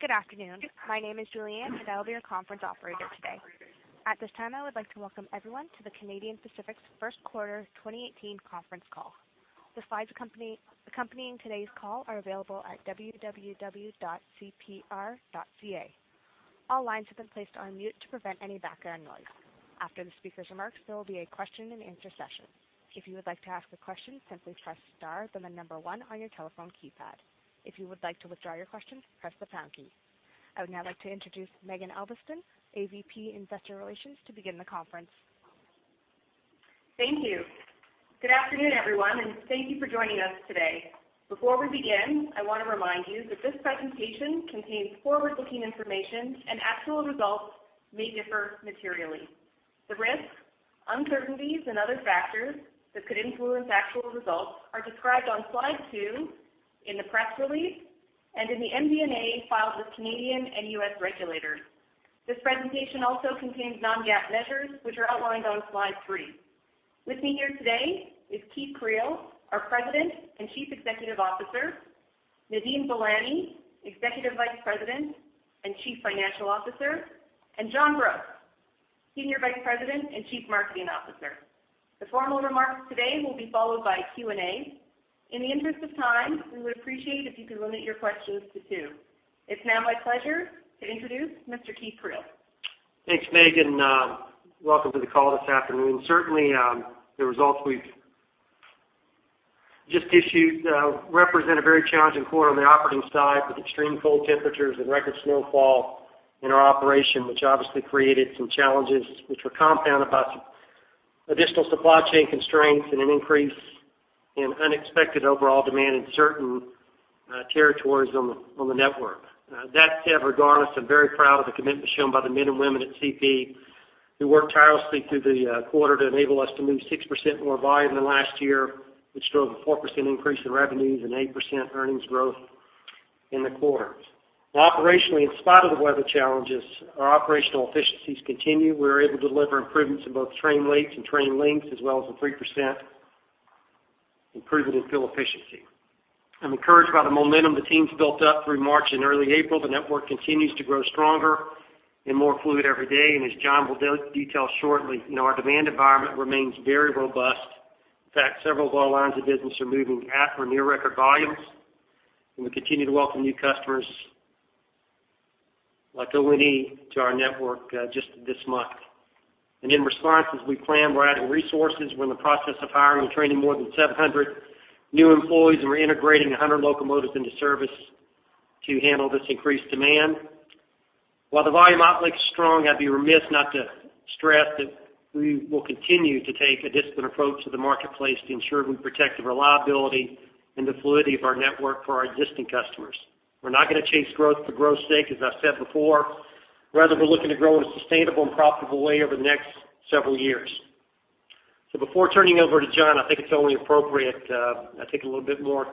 Good afternoon. My name is Julianne, and I'll be your conference operator today. At this time, I would like to welcome everyone to the Canadian Pacific's first quarter 2018 conference call. The slides accompanying today's call are available at www.cpr.ca. All lines have been placed on mute to prevent any background noise. After the speaker's remarks, there will be a question-and-answer session. If you would like to ask a question, simply press star, then the number one on your telephone keypad. If you would like to withdraw your question, press the pound key. I would now like to introduce Maeghan Albiston, AVP Investor Relations, to begin the conference. Thank you. Good afternoon, everyone, and thank you for joining us today. Before we begin, I want to remind you that this presentation contains forward-looking information, and actual results may differ materially. The risks, uncertainties, and other factors that could influence actual results are described on slide 2 in the press release and in the MD&A filed with Canadian and U.S. regulators. This presentation also contains non-GAAP measures, which are outlined on slide 3. With me here today is Keith Creel, our President and Chief Executive Officer, Nadeem Velani, Executive Vice President and Chief Financial Officer, and John Brooks, Senior Vice President and Chief Marketing Officer. The formal remarks today will be followed by Q&A. In the interest of time, we would appreciate if you could limit your questions to two. It's now my pleasure to introduce Mr. Keith Creel. Thanks, Maeghan. Welcome to the call this afternoon. Certainly, the results we've just issued represent a very challenging quarter on the operating side with extreme cold temperatures and record snowfall in our operation, which obviously created some challenges which were compounded by some additional supply chain constraints and an increase in unexpected overall demand in certain territories on the network. That said, regardless, I'm very proud of the commitment shown by the men and women at CP who worked tirelessly through the quarter to enable us to move 6% more volume than last year, which drove a 4% increase in revenues and 8% earnings growth in the quarter. Now, operationally, in spite of the weather challenges, our operational efficiencies continue. We were able to deliver improvements in both train weights and train lengths, as well as a 3% improvement in fuel efficiency. I'm encouraged by the momentum the team's built up through March and early April. The network continues to grow stronger and more fluid every day, and as John will detail shortly, our demand environment remains very robust. In fact, several of our lines of business are moving at or near record volumes, and we continue to welcome new customers like ONE to our network just this month. In response, as we plan, we're adding resources. We're in the process of hiring and training more than 700 new employees, and we're integrating 100 locomotives into service to handle this increased demand. While the volume outlook is strong, I'd be remiss not to stress that we will continue to take a disciplined approach to the marketplace to ensure we protect the reliability and the fluidity of our network for our existing customers. We're not going to chase growth for growth's sake, as I've said before. Rather, we're looking to grow in a sustainable and profitable way over the next several years. So before turning over to John, I think it's only appropriate to take a little bit more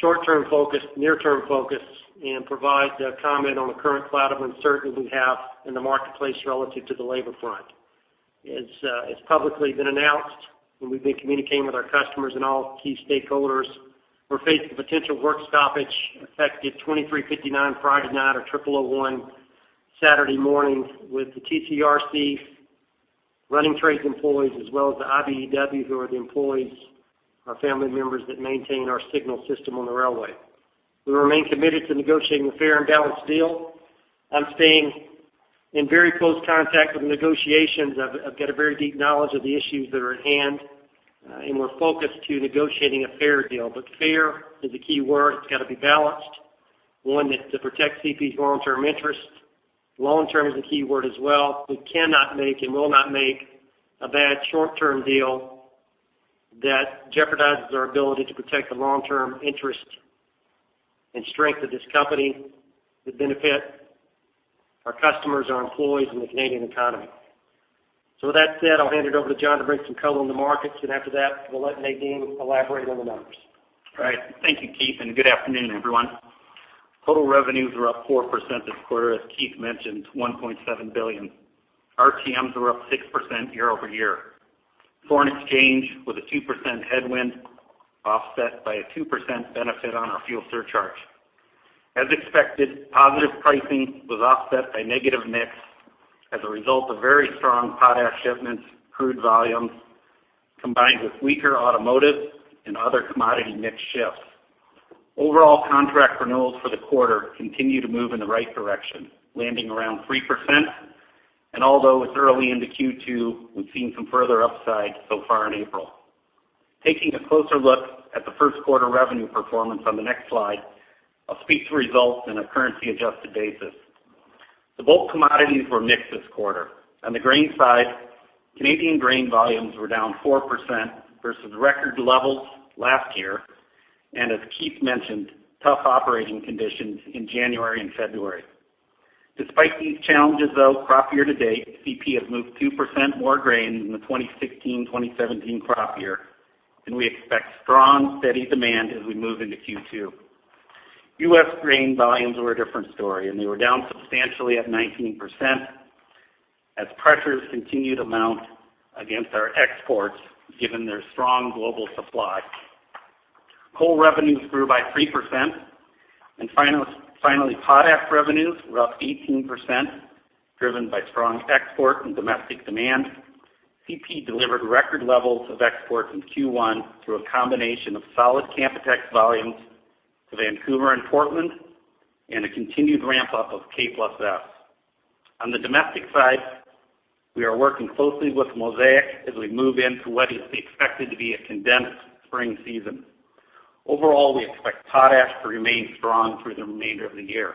short-term focus, near-term focus, and provide a comment on the current cloud of uncertainty we have in the marketplace relative to the labor front. It's publicly been announced, and we've been communicating with our customers and all key stakeholders. We're faced with potential work stoppage effective 11:59 P.M. Friday night or 12:01 A.M. Saturday morning with the TCRC running trades employees, as well as the IBEW, who are the employees, our family members that maintain our signal system on the railway. We remain committed to negotiating a fair and balanced deal. I'm staying in very close contact with the negotiations. I've got a very deep knowledge of the issues that are at hand, and we're focused on negotiating a fair deal. But fair is a key word. It's got to be balanced, one that protects CP's long-term interests. Long-term is a key word as well. We cannot make and will not make a bad short-term deal that jeopardizes our ability to protect the long-term interests and strength of this company that benefit our customers, our employees, and the Canadian economy. So with that said, I'll hand it over to John to bring some color on the markets. And after that, we'll let Nadeem elaborate on the numbers. All right. Thank you, Keith, and good afternoon, everyone. Total revenues were up 4% this quarter, as Keith mentioned, 1.7 billion. RTMs were up 6% year-over-year. Foreign exchange with a 2% headwind offset by a 2% benefit on our fuel surcharge. As expected, positive pricing was offset by negative mix as a result of very strong potash shipments, crude volumes combined with weaker automotive and other commodity mix shifts. Overall contract renewals for the quarter continue to move in the right direction, landing around 3%. Although it's early in the Q2, we've seen some further upside so far in April. Taking a closer look at the first quarter revenue performance on the next slide, I'll speak to results on a currency-adjusted basis. The bulk commodities were mixed this quarter. On the grain side, Canadian grain volumes were down 4% versus record levels last year. As Keith mentioned, tough operating conditions in January and February. Despite these challenges, though, crop year to date, CP has moved 2% more grain than the 2016-2017 crop year. We expect strong, steady demand as we move into Q2. U.S. grain volumes were a different story, and they were down substantially at 19% as pressures continued to mount against our exports given their strong global supply. Coal revenues grew by 3%. And finally, potash revenues were up 18% driven by strong export and domestic demand. CP delivered record levels of exports in Q1 through a combination of solid Canpotex volumes to Vancouver and Portland and a continued ramp-up of K+S. On the domestic side, we are working closely with Mosaic as we move into what is expected to be a condensed spring season. Overall, we expect potash to remain strong through the remainder of the year.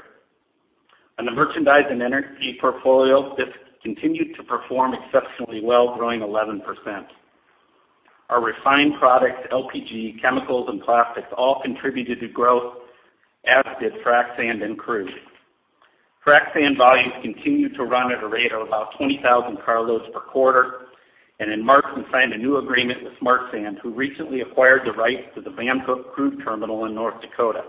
On the merchandise and energy portfolio, this continued to perform exceptionally well, growing 11%. Our refined products, LPG, chemicals, and plastics all contributed to growth, as did frac sand and crude. Frac sand volumes continued to run at a rate of about 20,000 carloads per quarter. In March, we signed a new agreement with Smart Sand, who recently acquired the rights to the Van Hook crude terminal in North Dakota.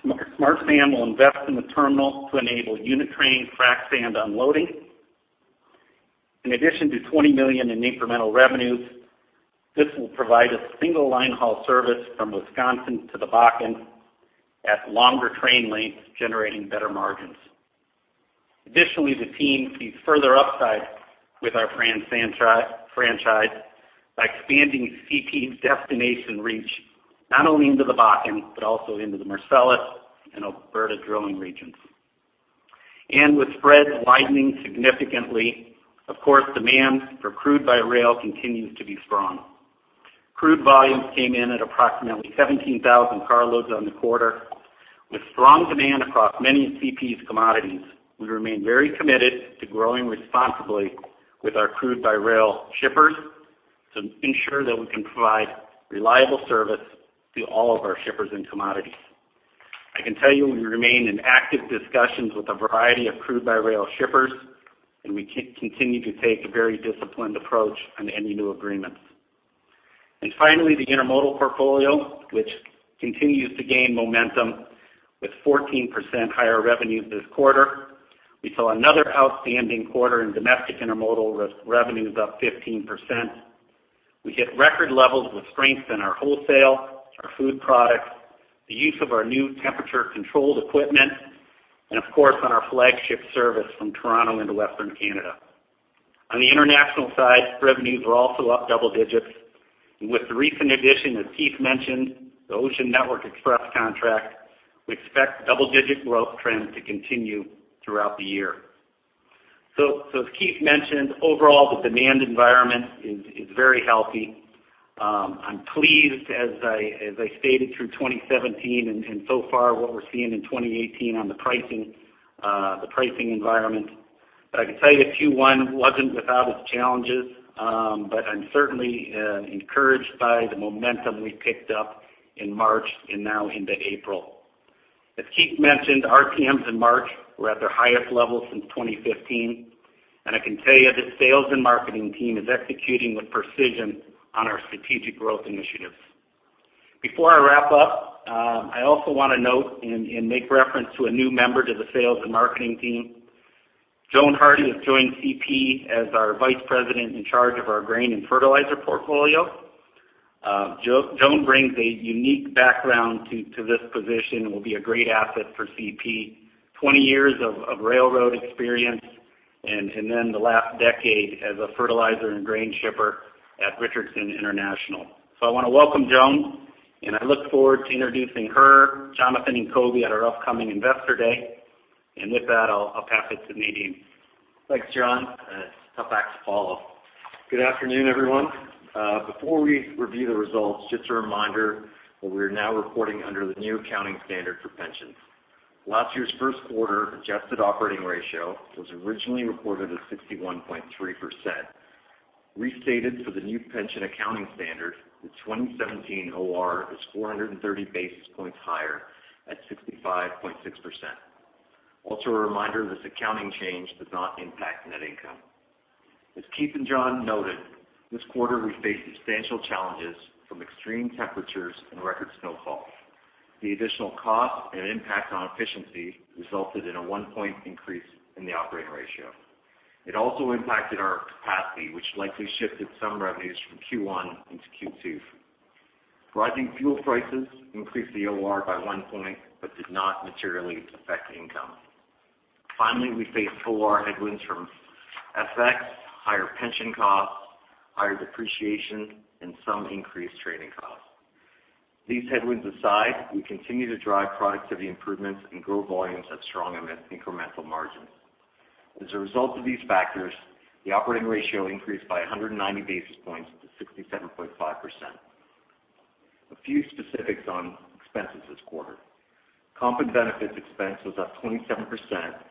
Smart Sand will invest in the terminal to enable unit train frac sand unloading. In addition to $20 million in incremental revenues, this will provide a single line haul service from Wisconsin to the Bakken at longer train lengths, generating better margins. Additionally, the team sees further upside with our franchise by expanding CP's destination reach not only into the Bakken but also into the Marcellus and Alberta drilling regions. With spreads widening significantly, of course, demand for crude by rail continues to be strong. Crude volumes came in at approximately 17,000 carloads on the quarter. With strong demand across many of CP's commodities, we remain very committed to growing responsibly with our crude by rail shippers to ensure that we can provide reliable service to all of our shippers and commodities. I can tell you we remain in active discussions with a variety of crude by rail shippers, and we continue to take a very disciplined approach on any new agreements. And finally, the intermodal portfolio, which continues to gain momentum with 14% higher revenues this quarter. We saw another outstanding quarter in domestic intermodal revenues up 15%. We hit record levels with strength in our wholesale, our food products, the use of our new temperature-controlled equipment, and of course, on our flagship service from Toronto into Western Canada. On the international side, revenues were also up double digits. And with the recent addition, as Keith mentioned, the Ocean Network Express contract, we expect double-digit growth trends to continue throughout the year. So as Keith mentioned, overall, the demand environment is very healthy. I'm pleased, as I stated, through 2017 and so far what we're seeing in 2018 on the pricing environment. But I can tell you that Q1 wasn't without its challenges, but I'm certainly encouraged by the momentum we picked up in March and now into April. As Keith mentioned, RTMs in March were at their highest level since 2015. I can tell you the sales and marketing team is executing with precision on our strategic growth initiatives. Before I wrap up, I also want to note and make reference to a new member to the sales and marketing team. Joan Hardy has joined CP as our Vice President in charge of our grain and fertilizer portfolio. Joan brings a unique background to this position and will be a great asset for CP: 20 years of railroad experience and then the last decade as a fertilizer and grain shipper at Richardson International. So I want to welcome Joan, and I look forward to introducing her, Jonathan, and Coby at our upcoming Investor Day. With that, I'll pass it to Nadeem. Thanks, John. It's a tough act to follow. Good afternoon, everyone. Before we review the results, just a reminder that we are now reporting under the new accounting standard for pensions. Last year's first quarter adjusted operating ratio was originally reported at 61.3%. Restated for the new pension accounting standard, the 2017 OR is 430 basis points higher at 65.6%. Also a reminder, this accounting change does not impact net income. As Keith and John noted, this quarter we faced substantial challenges from extreme temperatures and record snowfall. The additional cost and impact on efficiency resulted in a one point increase in the operating ratio. It also impacted our capacity, which likely shifted some revenues from Q1 into Q2. Rising fuel prices increased the OR by one point but did not materially affect income. Finally, we faced OR headwinds from FX, higher pension costs, higher depreciation, and some increased training costs. These headwinds aside, we continue to drive productivity improvements and grow volumes at strong incremental margins. As a result of these factors, the operating ratio increased by 190 basis points to 67.5%. A few specifics on expenses this quarter. Compensation and benefits expense was up 27%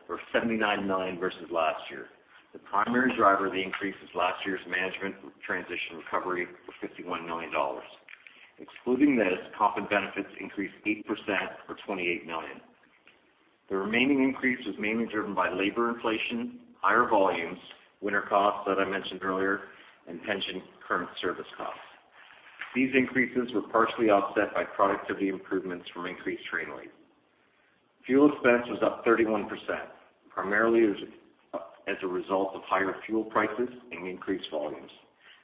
for $79 million versus last year. The primary driver of the increase is last year's management transition recovery for $51 million. Excluding this, competitive benefits increased 8% for $28 million. The remaining increase was mainly driven by labor inflation, higher volumes, winter costs that I mentioned earlier, and pension current service costs. These increases were partially offset by productivity improvements from increased train weight. Fuel expense was up 31%, primarily as a result of higher fuel prices and increased volumes.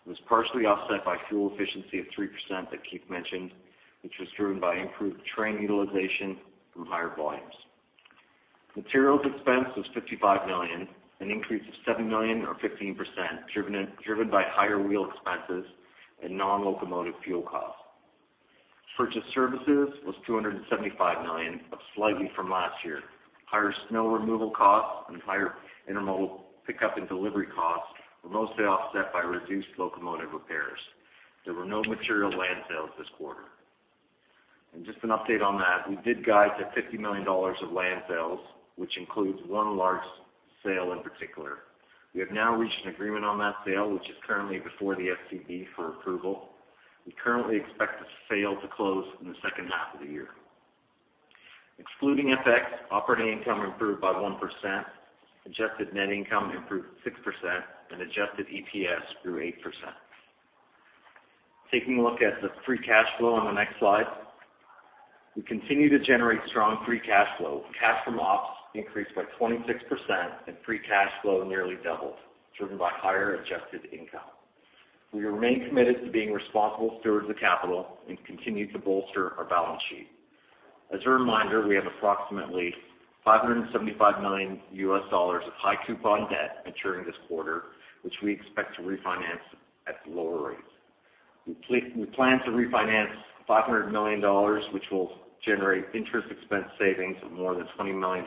It was partially offset by fuel efficiency of 3% that Keith mentioned, which was driven by improved train utilization from higher volumes. Materials expense was 55 million, an increase of 7 million or 15% driven by higher wheel expenses and non-locomotive fuel costs. Purchased services was 275 million, up slightly from last year. Higher snow removal costs and higher intermodal pickup and delivery costs were mostly offset by reduced locomotive repairs. There were no material land sales this quarter. Just an update on that, we did guide to 50 million dollars of land sales, which includes one large sale in particular. We have now reached an agreement on that sale, which is currently before the STB for approval. We currently expect the sale to close in the second half of the year. Excluding FX, operating income improved by 1%, adjusted net income improved 6%, and adjusted EPS grew 8%. Taking a look at the free cash flow on the next slide, we continue to generate strong free cash flow. Cash from ops increased by 26% and free cash flow nearly doubled, driven by higher adjusted income. We remain committed to being responsible stewards of capital and continue to bolster our balance sheet. As a reminder, we have approximately CAD 575 million of high coupon debt maturing this quarter, which we expect to refinance at lower rates. We plan to refinance 500 million dollars, which will generate interest expense savings of more than 20 million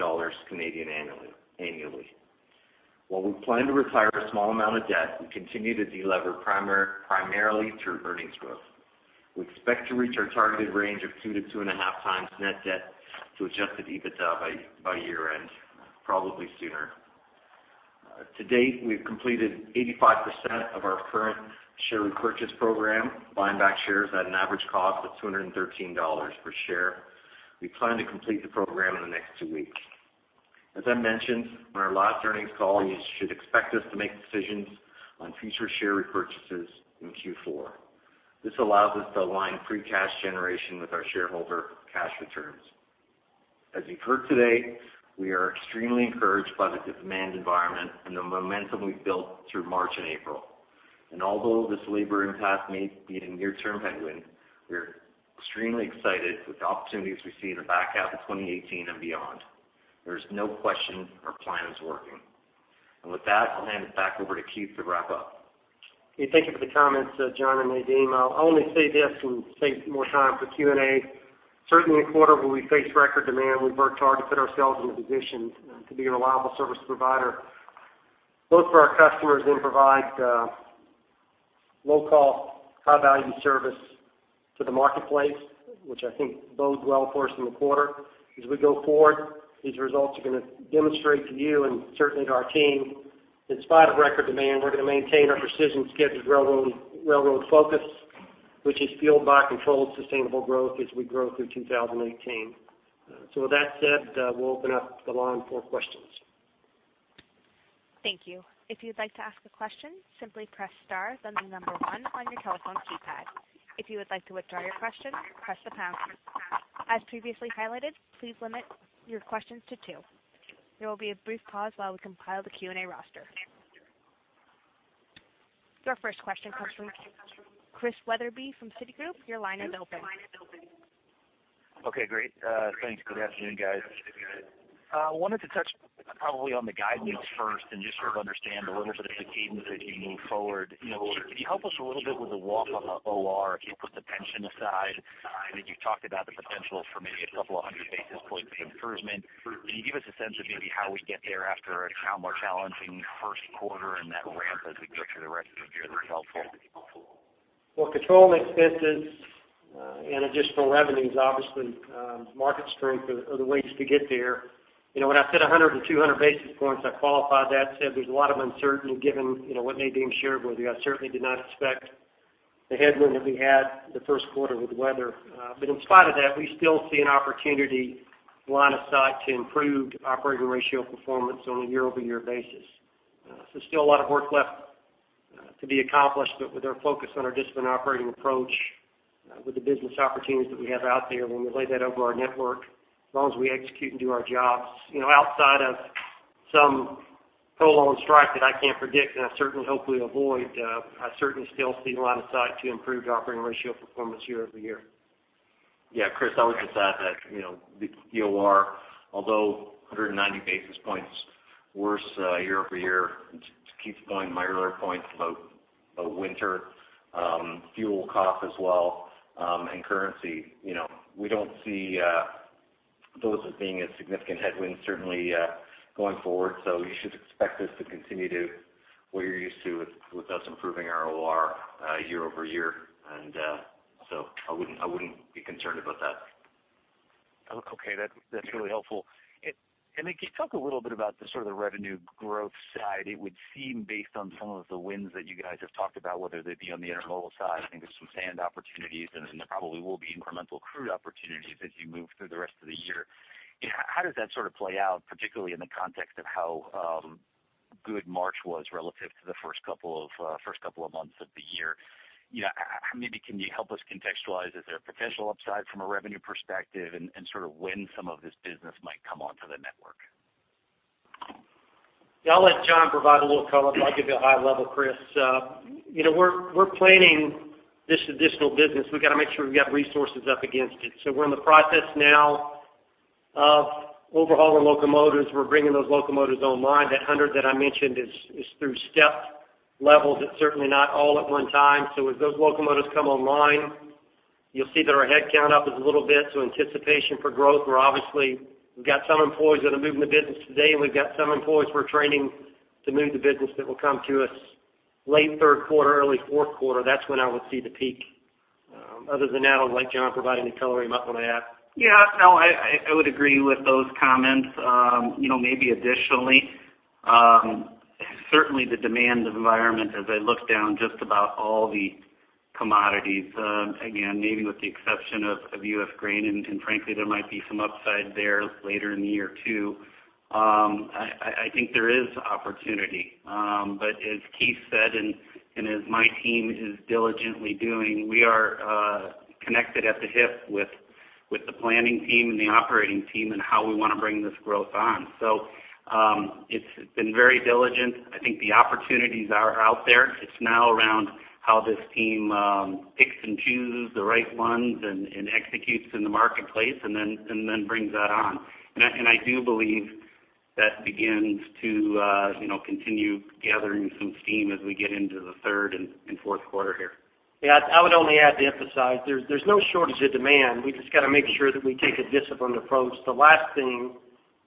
Canadian dollars annually. While we plan to retire a small amount of debt, we continue to delever primarily through earnings growth. We expect to reach our targeted range of 2-2.5 times net debt to adjusted EBITDA by year-end, probably sooner. To date, we have completed 85% of our current share repurchase program, buying back shares at an average cost of 213 dollars per share. We plan to complete the program in the next two weeks. As I mentioned on our last earnings call, you should expect us to make decisions on future share repurchases in Q4. This allows us to align free cash generation with our shareholder cash returns. As you've heard today, we are extremely encouraged by the demand environment and the momentum we've built through March and April. And although this labor impact may be a near-term headwind, we are extremely excited with the opportunities we see in the back half of 2018 and beyond. There is no question our plan is working. And with that, I'll hand it back over to Keith to wrap up. Hey, thank you for the comments, John and Nadeem. I'll only say this and save more time for Q&A. Certainly, in quarter, where we face record demand, we've worked hard to put ourselves in a position to be a reliable service provider, both for our customers and provide low-cost, high-value service to the marketplace, which I think bodes well for us in the quarter. As we go forward, these results are going to demonstrate to you and certainly to our team, in spite of record demand, we're going to maintain our Precision Scheduled Railroading focus, which is fueled by controlled sustainable growth as we grow through 2018. So with that said, we'll open up the line for questions. Thank you. If you'd like to ask a question, simply press star, then the number one on your telephone keypad. If you would like to withdraw your question, press the pound key. As previously highlighted, please limit your questions to two. There will be a brief pause while we compile the Q&A roster. Your first question comes from Chris Wetherbee from Citigroup. Your line is open. Okay, great. Thanks. Good afternoon, guys. I wanted to touch probably on the guidance first and just sort of understand a little bit of the cadence as you move forward. Can you help us a little bit with the walk of the OR, Keith, with the pension aside? I know you've talked about the potential for maybe a couple of hundred basis points of improvement. Can you give us a sense of maybe how we get there after a more challenging first quarter and that ramp as we go through the rest of the year that's helpful? Well, controlled expenses and additional revenues, obviously, market strength are the ways to get there. When I said 100-200 basis points, I qualified that, said there's a lot of uncertainty given what Nadeem shared with you. I certainly did not expect the headwind that we had the first quarter with weather. But in spite of that, we still see an opportunity line of sight to improved operating ratio performance on a year-over-year basis. So still a lot of work left to be accomplished, but with our focus on our disciplined operating approach, with the business opportunities that we have out there, when we lay that over our network, as long as we execute and do our jobs outside of some prolonged strike that I can't predict and I certainly hope we avoid, I certainly still see a line of sight to improved operating ratio performance year over year. Yeah, Chris, I would just add that the OR, although 190 basis points worse year-over-year, to Keith's point, my earlier point about winter, fuel cost as well, and currency, we don't see those as being as significant headwinds certainly going forward. So you should expect us to continue to what you're used to with us improving our OR year-over-year. And so I wouldn't be concerned about that. Okay, that's really helpful. Then Keith, talk a little bit about the sort of revenue growth side. It would seem based on some of the wins that you guys have talked about, whether they be on the intermodal side, I think there's some sand opportunities, and then there probably will be incremental crude opportunities as you move through the rest of the year. How does that sort of play out, particularly in the context of how good March was relative to the first couple of months of the year? Maybe can you help us contextualize? Is there a potential upside from a revenue perspective and sort of when some of this business might come onto the network? Yeah, I'll let John provide a little color. I'll give you a high-level, Chris. We're planning this additional business. We got to make sure we've got resources up against it. So we're in the process now of overhauling locomotives. We're bringing those locomotives online. That 100 that I mentioned is through stepped levels. It's certainly not all at one time. So as those locomotives come online, you'll see that our headcount up is a little bit. So anticipation for growth, we've got some employees that are moving the business today, and we've got some employees we're training to move the business that will come to us late third quarter, early fourth quarter. That's when I would see the peak. Other than that, I don't like John providing any coloring up on that. Yeah, no, I would agree with those comments. Maybe additionally, certainly the demand environment as I look down just about all the commodities, again, maybe with the exception of U.S. grain, and frankly, there might be some upside there later in the year too. I think there is opportunity. But as Keith said and as my team is diligently doing, we are connected at the hip with the planning team and the operating team and how we want to bring this growth on. So it's been very diligent. I think the opportunities are out there. It's now around how this team picks and chooses the right ones and executes in the marketplace and then brings that on. And I do believe that begins to continue gathering some steam as we get into the third and fourth quarter here. Yeah, I would only add to emphasize, there's no shortage of demand. We just got to make sure that we take a disciplined approach. The last thing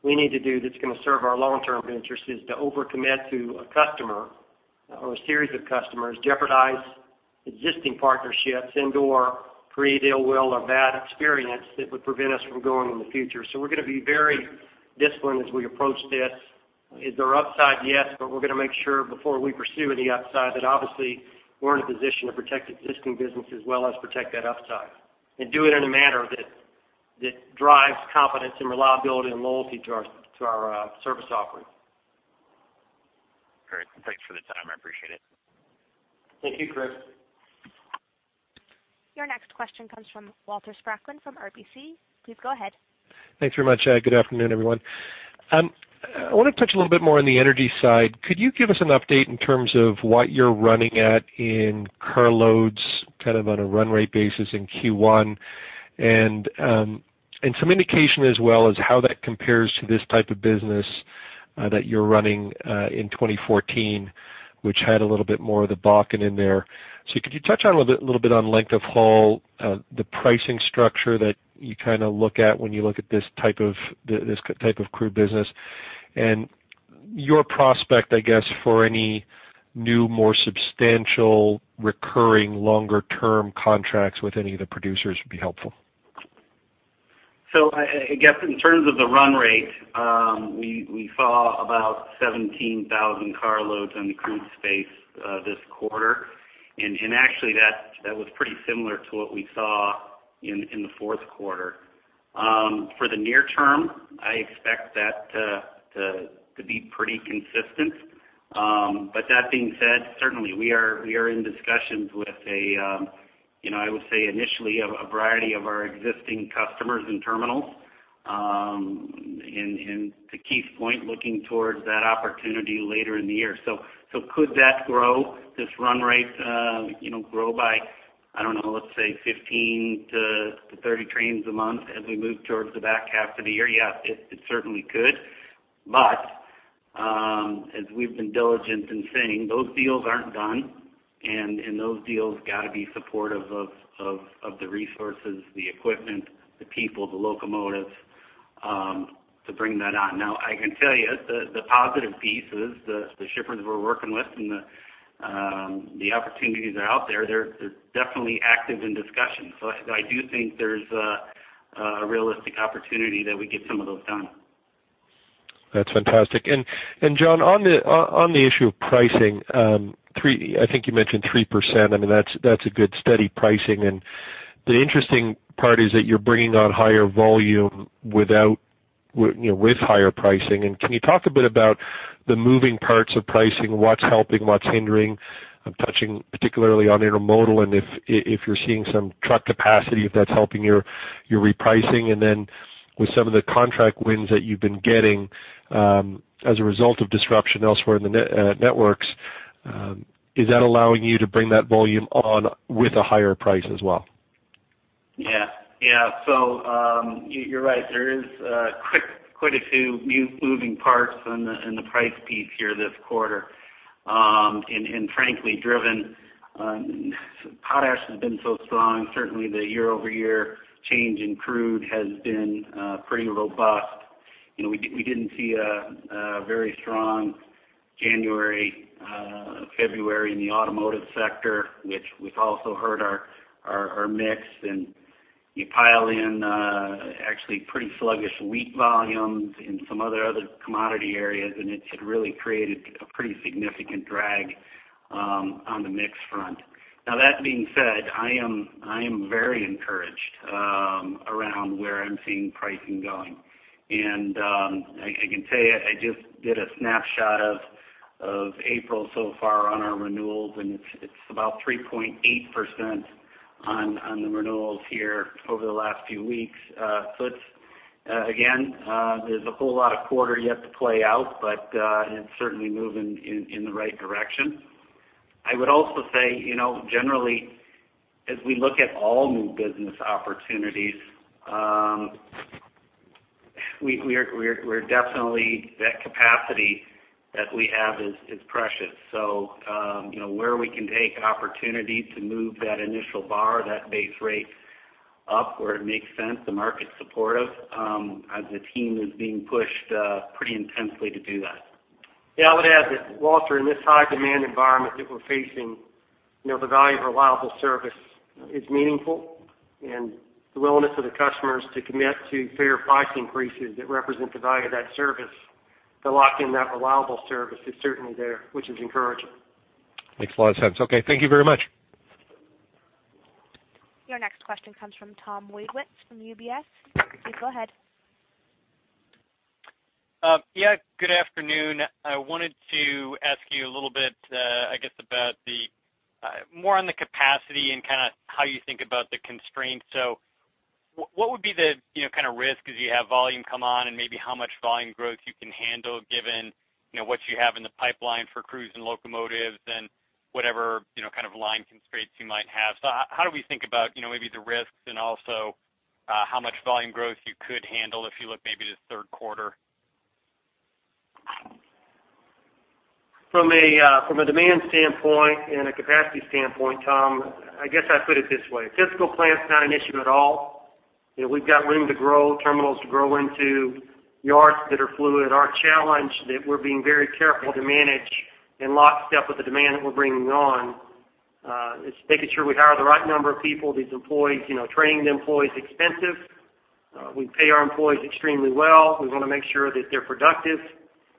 we need to do that's going to serve our long-term interests is to overcommit to a customer or a series of customers, jeopardize existing partnerships, and/or create ill-will or bad experience that would prevent us from going in the future. So we're going to be very disciplined as we approach this. Is there upside? Yes, but we're going to make sure before we pursue any upside that obviously we're in a position to protect existing business as well as protect that upside and do it in a manner that drives confidence and reliability and loyalty to our service offering. Great. Thanks for the time. I appreciate it. Thank you, Chris. Your next question comes from Walter Spracklin from RBC. Please go ahead. Thanks very much. Good afternoon, everyone. I want to touch a little bit more on the energy side. Could you give us an update in terms of what you're running at in carloads kind of on a run rate basis in Q1 and some indication as well as how that compares to this type of business that you're running in 2014, which had a little bit more of the Bakken in there? So could you touch a little bit on length of haul, the pricing structure that you kind of look at when you look at this type of crude business, and your prospect, I guess, for any new, more substantial, recurring, longer-term contracts with any of the producers would be helpful. I guess in terms of the run rate, we saw about 17,000 carloads on the crude space this quarter. And actually, that was pretty similar to what we saw in the fourth quarter. For the near term, I expect that to be pretty consistent. But that being said, certainly, we are in discussions with, I would say, initially, a variety of our existing customers and terminals. And to Keith's point, looking towards that opportunity later in the year. So could that grow, this run rate, grow by, I don't know, let's say 15-30 trains a month as we move towards the back half of the year? Yeah, it certainly could. But as we've been diligent in saying, those deals aren't done. And those deals got to be supportive of the resources, the equipment, the people, the locomotives to bring that on. Now, I can tell you the positive pieces, the shippers we're working with and the opportunities that are out there, they're definitely active in discussion. So I do think there's a realistic opportunity that we get some of those done. That's fantastic. And John, on the issue of pricing, I think you mentioned 3%. I mean, that's a good steady pricing. And the interesting part is that you're bringing on higher volume with higher pricing. And can you talk a bit about the moving parts of pricing, what's helping, what's hindering? I'm touching particularly on intermodal and if you're seeing some truck capacity, if that's helping your repricing. And then with some of the contract wins that you've been getting as a result of disruption elsewhere in the networks, is that allowing you to bring that volume on with a higher price as well? Yeah. Yeah, so you're right. There is quite a few moving parts in the price piece here this quarter. And frankly, driven, potash has been so strong. Certainly, the year-over-year change in crude has been pretty robust. We didn't see a very strong January, February in the automotive sector, which also hurt our mix. And you pile in actually pretty sluggish wheat volumes in some other commodity areas, and it had really created a pretty significant drag on the mix front. Now, that being said, I am very encouraged around where I'm seeing pricing going. And I can tell you I just did a snapshot of April so far on our renewals, and it's about 3.8% on the renewals here over the last few weeks. So again, there's a whole lot of quarter yet to play out, but it's certainly moving in the right direction. I would also say generally, as we look at all new business opportunities, we're definitely that capacity that we have is precious. So where we can take opportunity to move that initial bar, that base rate up where it makes sense, the market's supportive, as the team is being pushed pretty intensely to do that. Yeah, I would add that Walter, in this high-demand environment that we're facing, the value of reliable service is meaningful. The willingness of the customers to commit to fair price increases that represent the value of that service, to lock in that reliable service, is certainly there, which is encouraging. Makes a lot of sense. Okay, thank you very much. Your next question comes from Tom Wadewitz from UBS. Keith, go ahead. Yeah, good afternoon. I wanted to ask you a little bit, I guess, about more on the capacity and kind of how you think about the constraints. So what would be the kind of risk as you have volume come on and maybe how much volume growth you can handle given what you have in the pipeline for crudes and locomotives and whatever kind of line constraints you might have? So how do we think about maybe the risks and also how much volume growth you could handle if you look maybe to third quarter? From a demand standpoint and a capacity standpoint, Tom, I guess I'd put it this way. Physical plant's not an issue at all. We've got room to grow, terminals to grow into, yards that are fluid. Our challenge that we're being very careful to manage in lockstep with the demand that we're bringing on is making sure we hire the right number of people, these employees, training the employees expensive. We pay our employees extremely well. We want to make sure that they're productive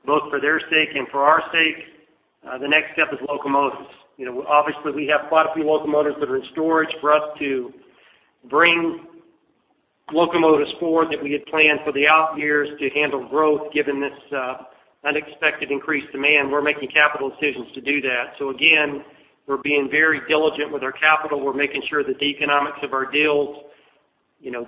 both for their sake and for our sake. The next step is locomotives. Obviously, we have quite a few locomotives that are in storage. For us to bring locomotives forward that we had planned for the out years to handle growth given this unexpected increased demand, we're making capital decisions to do that. So again, we're being very diligent with our capital. We're making sure the economics of our deals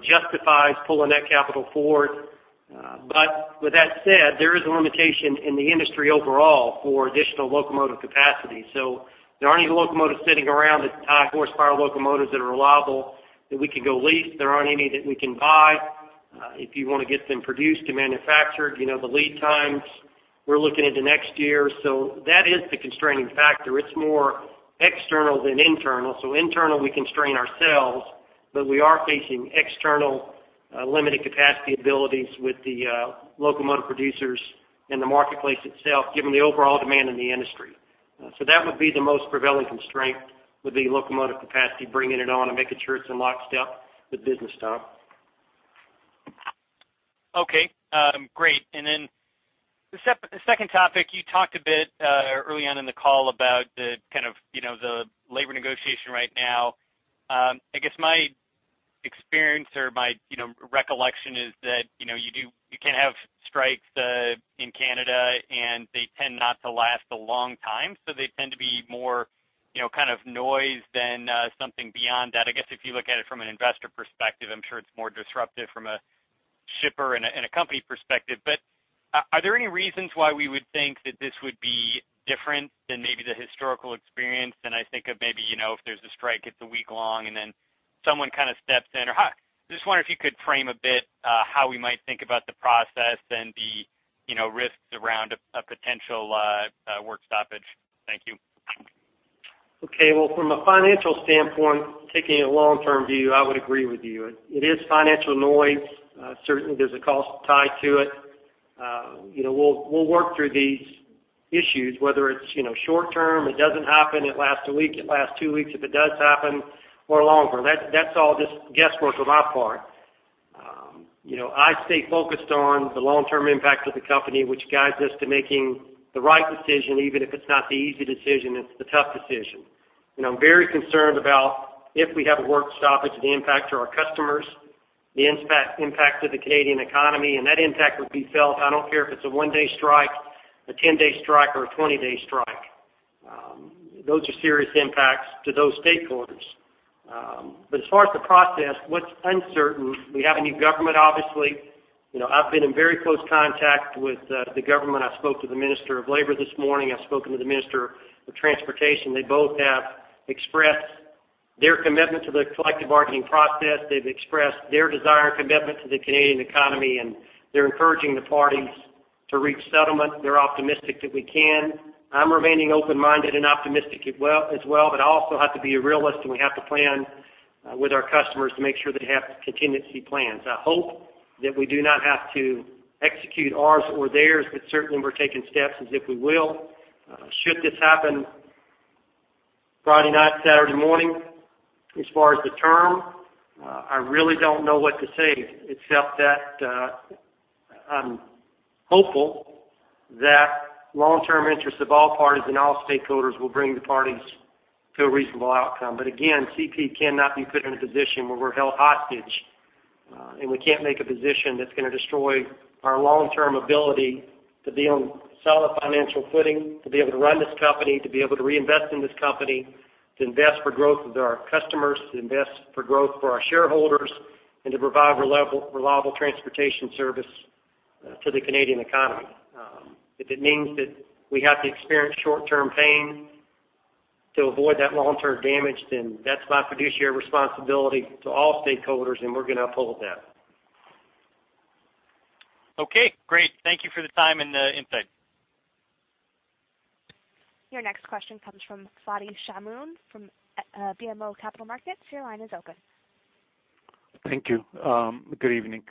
justifies pulling that capital forward. But with that said, there is a limitation in the industry overall for additional locomotive capacity. So there aren't any locomotives sitting around at high horsepower locomotives that are reliable that we can go lease. There aren't any that we can buy. If you want to get them produced and manufactured, the lead times, we're looking into next year. So that is the constraining factor. It's more external than internal. So internal, we constrain ourselves, but we are facing external limited capacity abilities with the locomotive producers and the marketplace itself given the overall demand in the industry. So that would be the most prevailing constraint would be locomotive capacity, bringing it on and making sure it's in lockstep with business time. Okay, great. And then the second topic, you talked a bit early on in the call about kind of the labor negotiation right now. I guess my experience or my recollection is that you can't have strikes in Canada, and they tend not to last a long time. So they tend to be more kind of noise than something beyond that. I guess if you look at it from an investor perspective, I'm sure it's more disruptive from a shipper and a company perspective. But are there any reasons why we would think that this would be different than maybe the historical experience? And I think of maybe if there's a strike, it's a week long, and then someone kind of steps in. Or I just wonder if you could frame a bit how we might think about the process and the risks around a potential work stoppage. Thank you. Okay, well, from a financial standpoint, taking a long-term view, I would agree with you. It is financial noise. Certainly, there's a cost tied to it. We'll work through these issues, whether it's short-term, it doesn't happen, it lasts a week, it lasts two weeks if it does happen, or longer. That's all just guesswork on my part. I stay focused on the long-term impact of the company, which guides us to making the right decision, even if it's not the easy decision, it's the tough decision. I'm very concerned about if we have a work stoppage, the impact to our customers, the impact to the Canadian economy, and that impact would be felt, I don't care if it's a one-day strike, a 10-day strike, or a 20-day strike. Those are serious impacts to those stakeholders. But as far as the process, what's uncertain, we have a new government, obviously. I've been in very close contact with the government. I spoke to the Minister of Labor this morning. I've spoken to the Minister of Transportation. They both have expressed their commitment to the collective bargaining process. They've expressed their desire and commitment to the Canadian economy, and they're encouraging the parties to reach settlement. They're optimistic that we can. I'm remaining open-minded and optimistic as well, but I also have to be a realist, and we have to plan with our customers to make sure they have contingency plans. I hope that we do not have to execute ours or theirs, but certainly, we're taking steps as if we will. Should this happen Friday night, Saturday morning as far as the term, I really don't know what to say except that I'm hopeful that long-term interests of all parties and all stakeholders will bring the parties to a reasonable outcome. But again, CP cannot be put in a position where we're held hostage, and we can't make a position that's going to destroy our long-term ability to be on solid financial footing, to be able to run this company, to be able to reinvest in this company, to invest for growth of our customers, to invest for growth for our shareholders, and to provide reliable transportation service to the Canadian economy. If it means that we have to experience short-term pain to avoid that long-term damage, then that's my fiduciary responsibility to all stakeholders, and we're going to uphold that. Okay, great. Thank you for the time and the insight. Your next question comes from Fadi Chamoun from BMO Capital Markets. Your line is open. Thank you. Good evening.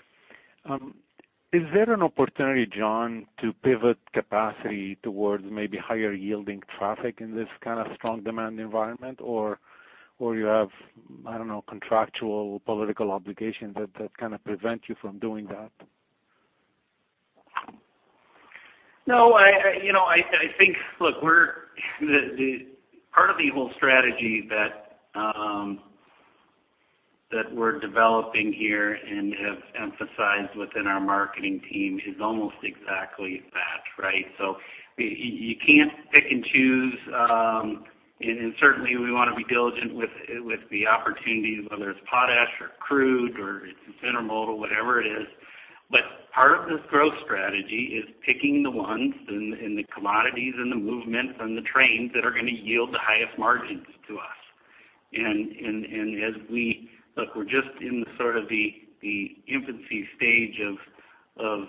Is there an opportunity, John, to pivot capacity towards maybe higher-yielding traffic in this kind of strong demand environment, or you have, I don't know, contractual political obligations that kind of prevent you from doing that? No, I think, look, part of the whole strategy that we're developing here and have emphasized within our marketing team is almost exactly that, right? So you can't pick and choose. And certainly, we want to be diligent with the opportunities, whether it's potash or crude or it's intermodal, whatever it is. But part of this growth strategy is picking the ones and the commodities and the movements and the trains that are going to yield the highest margins to us. And as we, look, we're just in sort of the infancy stage of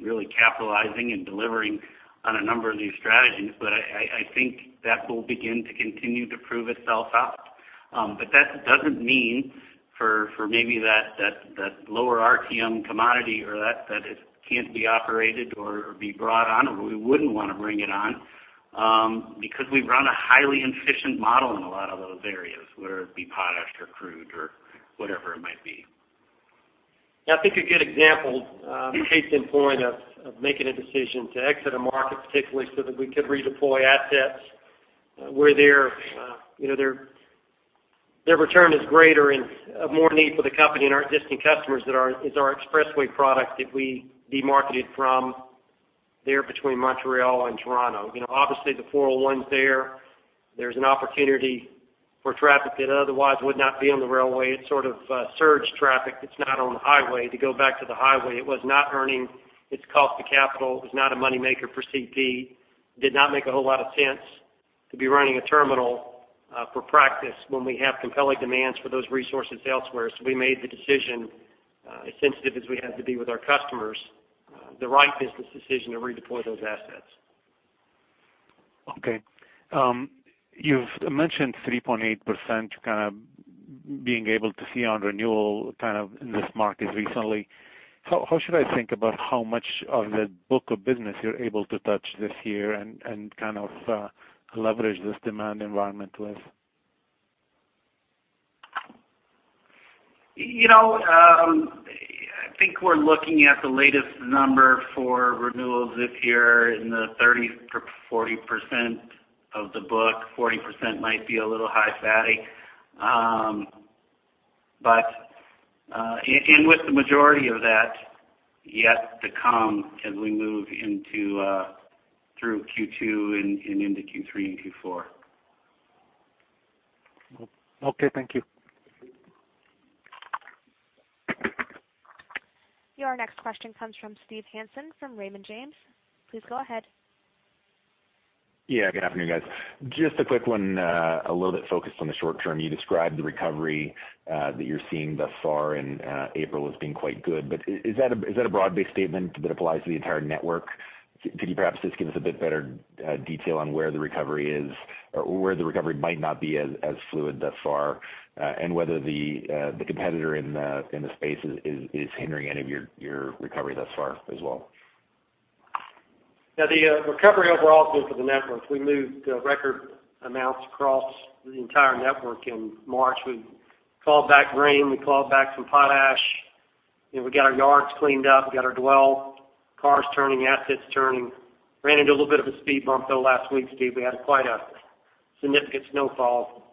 really capitalizing and delivering on a number of these strategies, but I think that will begin to continue to prove itself out. But that doesn't mean for maybe that lower RTM commodity or that it can't be operated or be brought on, or we wouldn't want to bring it on because we run a highly inefficient model in a lot of those areas, whether it be potash or crude or whatever it might be. Yeah, I think a good example, Keith, in point of making a decision to exit a market, particularly so that we could redeploy assets where their return is greater and more need for the company and our existing customers, is our Expressway product that we demarketed from there between Montreal and Toronto. Obviously, the 401s there, there's an opportunity for traffic that otherwise would not be on the railway. It's sort of surge traffic that's not on the highway. To go back to the highway, it was not earning its cost of capital. It was not a moneymaker for CP. It did not make a whole lot of sense to be running a terminal for practice when we have compelling demands for those resources elsewhere. So we made the decision, as sensitive as we had to be with our customers, the right business decision to redeploy those assets. Okay. You've mentioned 3.8% kind of being able to see on renewal kind of in this market recently. How should I think about how much of the book of business you're able to touch this year and kind of leverage this demand environment with? I think we're looking at the latest number for renewals this year in the 30%-40% of the book. 40% might be a little high, actually. With the majority of that yet to come as we move through Q2 and into Q3 and Q4. Okay, thank you. Your next question comes from Steve Hansen from Raymond James. Please go ahead. Yeah, good afternoon, guys. Just a quick one, a little bit focused on the short term. You described the recovery that you're seeing thus far in April as being quite good. But is that a broad-based statement that applies to the entire network? Could you perhaps just give us a bit better detail on where the recovery is or where the recovery might not be as fluid thus far and whether the competitor in the space is hindering any of your recovery thus far as well? Yeah, the recovery overall is good for the network. We moved record amounts across the entire network in March. We clawed back grain. We clawed back some potash. We got our yards cleaned up. We got our dwell cars turning, assets turning. Ran into a little bit of a speed bump, though, last week, Steve. We had quite a significant snowfall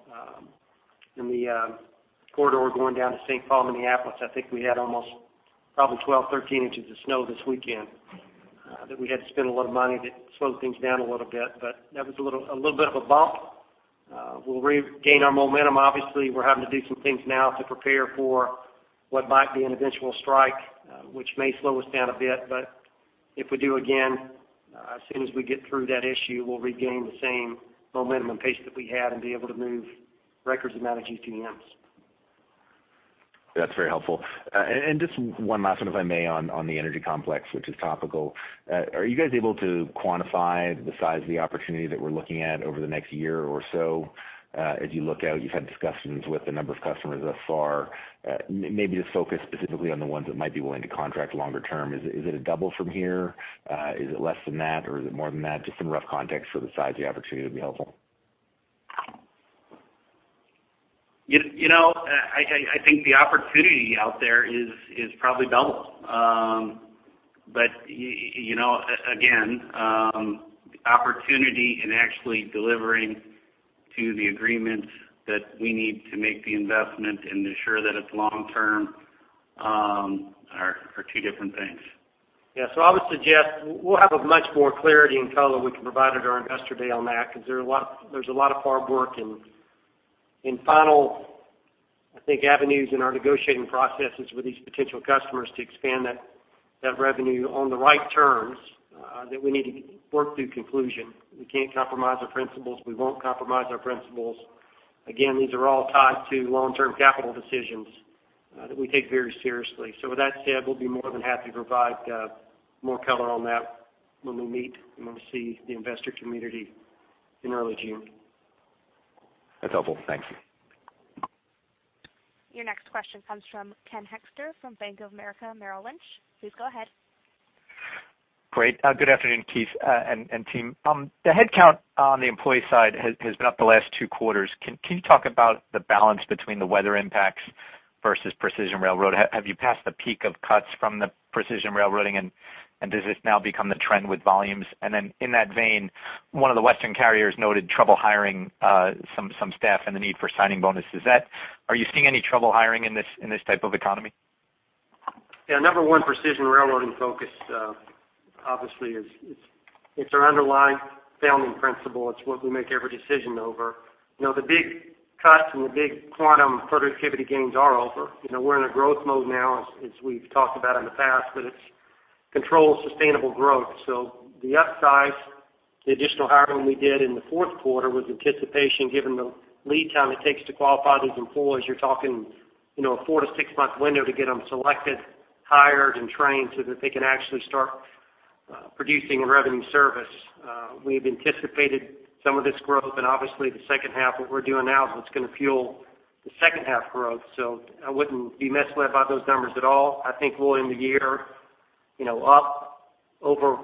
in the corridor going down to St. Paul, Minneapolis. I think we had almost probably 12-13 inches of snow this weekend that we had to spend a lot of money that slowed things down a little bit. But that was a little bit of a bump. We'll regain our momentum. Obviously, we're having to do some things now to prepare for what might be an eventual strike, which may slow us down a bit. But if we do again, as soon as we get through that issue, we'll regain the same momentum and pace that we had and be able to move record amount of GTMs. That's very helpful. Just one last one, if I may, on the energy complex, which is topical. Are you guys able to quantify the size of the opportunity that we're looking at over the next year or so as you look out? You've had discussions with a number of customers thus far. Maybe just focus specifically on the ones that might be willing to contract longer term. Is it a double from here? Is it less than that, or is it more than that? Just in rough context for the size of the opportunity would be helpful. I think the opportunity out there is probably double. But again, opportunity and actually delivering to the agreements that we need to make the investment and ensure that it's long-term are two different things. Yeah, so I would suggest we'll have much more clarity and color we can provide at our Investor Day on that because there's a lot of hard work in final, I think, avenues in our negotiating processes with these potential customers to expand that revenue on the right terms that we need to work through conclusion. We can't compromise our principles. We won't compromise our principles. Again, these are all tied to long-term capital decisions that we take very seriously. So with that said, we'll be more than happy to provide more color on that when we meet and when we see the investor community in early June. That's helpful. Thanks. Your next question comes from Ken Hoexter from Bank of America Merrill Lynch. Please go ahead. Great. Good afternoon, Keith and team. The headcount on the employee side has been up the last two quarters. Can you talk about the balance between the weather impacts versus Precision Railroad? Have you passed the peak of cuts from the Precision Railroading, and does this now become the trend with volumes? And then in that vein, one of the Western carriers noted trouble hiring some staff and the need for signing bonuses. Are you seeing any trouble hiring in this type of economy? Yeah, number one, Precision Railroading focus, obviously, it's our underlying founding principle. It's what we make every decision over. The big cuts and the big quantum productivity gains are over. We're in a growth mode now, as we've talked about in the past, but it's controlled sustainable growth. So the upsize, the additional hiring we did in the fourth quarter was anticipation given the lead time it takes to qualify these employees. You're talking a four to six month window to get them selected, hired, and trained so that they can actually start producing a revenue service. We've anticipated some of this growth, and obviously, the second half, what we're doing now is what's going to fuel the second-half growth. So I wouldn't be misled by those numbers at all. I think we'll end the year up over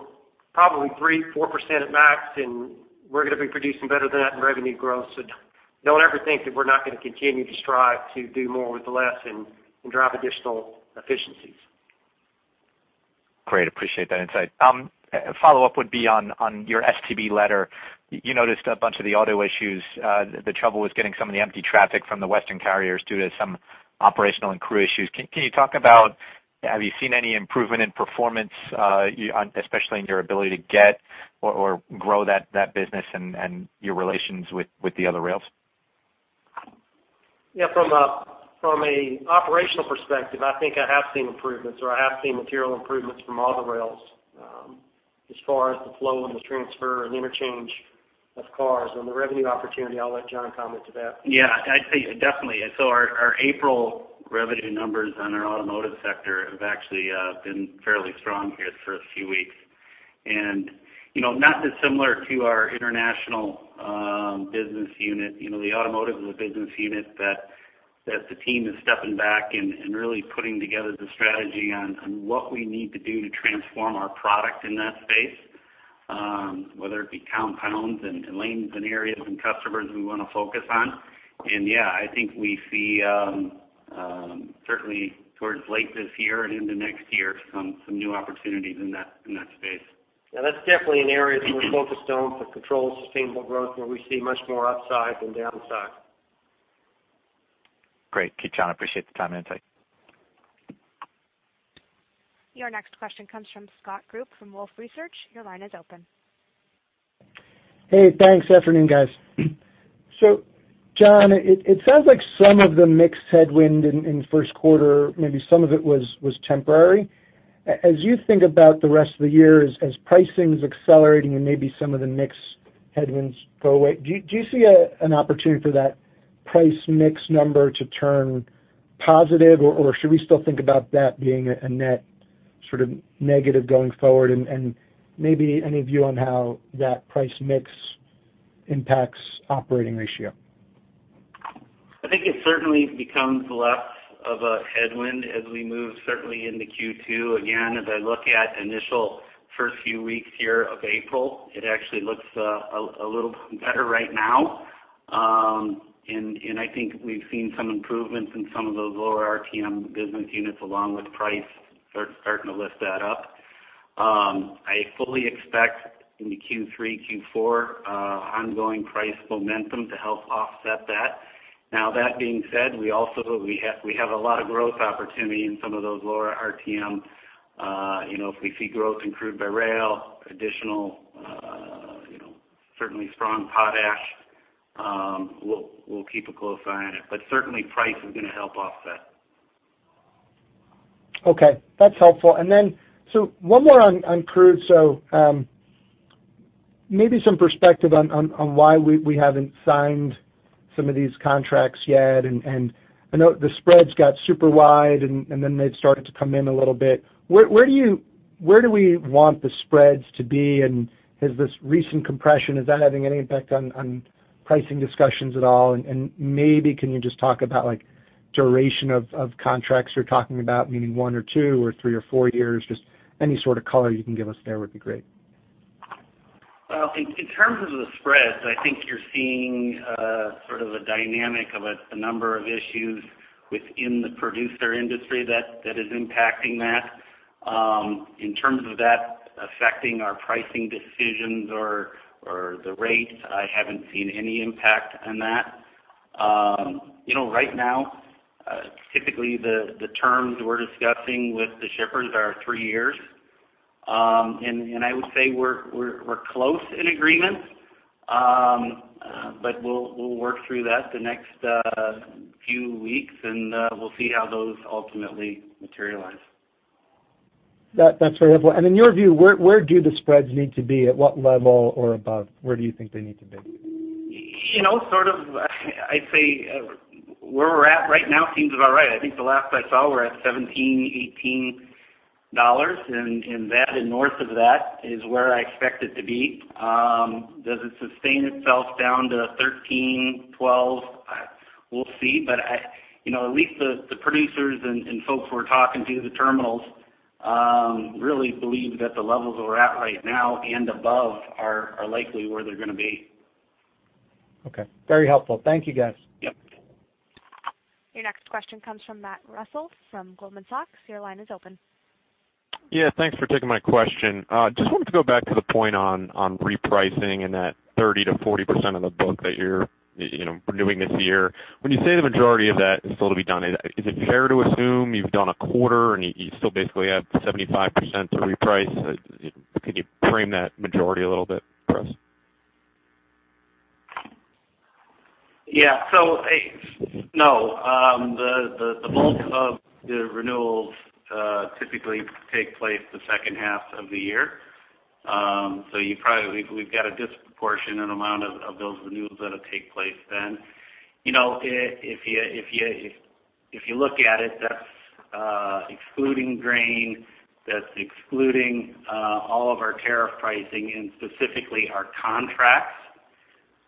probably 3%-4% at max, and we're going to be producing better than that in revenue growth. So don't ever think that we're not going to continue to strive to do more with less and drive additional efficiencies. Great. Appreciate that insight. Follow-up would be on your STB letter. You noticed a bunch of the auto issues. The trouble was getting some of the empty traffic from the Western carriers due to some operational and crew issues. Can you talk about, have you seen any improvement in performance, especially in your ability to get or grow that business and your relations with the other rails? Yeah, from an operational perspective, I think I have seen improvements, or I have seen material improvements from all the rails as far as the flow and the transfer and interchange of cars. The revenue opportunity, I'll let John comment to that. Yeah, definitely. So our April revenue numbers on our automotive sector have actually been fairly strong here for a few weeks. And not dissimilar to our international business unit, the automotive is a business unit that the team is stepping back and really putting together the strategy on what we need to do to transform our product in that space, whether it be compounds and lanes and areas and customers we want to focus on. And yeah, I think we see, certainly towards late this year and into next year, some new opportunities in that space. Yeah, that's definitely an area that we're focused on for controlled sustainable growth where we see much more upside than downside. Great. Keith, John, appreciate the time and insight. Your next question comes from Scott Group from Wolfe Research. Your line is open. Hey, thanks. Afternoon, guys. So John, it sounds like some of the mixed headwind in first quarter, maybe some of it was temporary. As you think about the rest of the year, as pricing's accelerating and maybe some of the mixed headwinds go away, do you see an opportunity for that price mix number to turn positive, or should we still think about that being a net sort of negative going forward? And maybe any view on how that price mix impacts operating ratio? I think it certainly becomes less of a headwind as we move, certainly into Q2. Again, as I look at initial first few weeks here of April, it actually looks a little better right now. And I think we've seen some improvements in some of those lower RTM business units, along with price starting to lift that up. I fully expect in the Q3, Q4, ongoing price momentum to help offset that. Now, that being said, we have a lot of growth opportunity in some of those lower RTM. If we see growth in crude by rail, additional, certainly strong potash, we'll keep a close eye on it. But certainly, price is going to help offset. Okay. That's helpful. And then, so one more on crude, so maybe some perspective on why we haven't signed some of these contracts yet. And I know the spreads got super wide, and then they've started to come in a little bit. Where do we want the spreads to be? And has this recent compression, is that having any impact on pricing discussions at all? And maybe can you just talk about duration of contracts you're talking about, meaning one or two or three or four years? Just any sort of color you can give us there would be great. Well, in terms of the spreads, I think you're seeing sort of a dynamic of the number of issues within the producer industry that is impacting that. In terms of that affecting our pricing decisions or the rates, I haven't seen any impact on that. Right now, typically, the terms we're discussing with the shippers are three years. I would say we're close in agreement, but we'll work through that the next few weeks, and we'll see how those ultimately materialize. That's very helpful. And in your view, where do the spreads need to be? At what level or above? Where do you think they need to be? Sort of, I'd say where we're at right now seems about right. I think the last I saw, we're at $17, $18, and north of that is where I expect it to be. Does it sustain itself down to $13-$12? We'll see. But at least the producers and folks we're talking to, the terminals, really believe that the levels we're at right now and above are likely where they're going to be. Okay. Very helpful. Thank you, guys. Yep. Your next question comes from Matt Reustle from Goldman Sachs. Your line is open. Yeah, thanks for taking my question. Just wanted to go back to the point on repricing and that 30%-40% of the book that you're renewing this year. When you say the majority of that is still to be done, is it fair to assume you've done a quarter and you still basically have 75% to reprice? Can you frame that majority a little bit for us? Yeah. So, no. The bulk of the renewals typically take place the second half of the year. So we've got a disproportionate amount of those renewals that'll take place then. If you look at it, that's excluding grain. That's excluding all of our tariff pricing and specifically our contracts.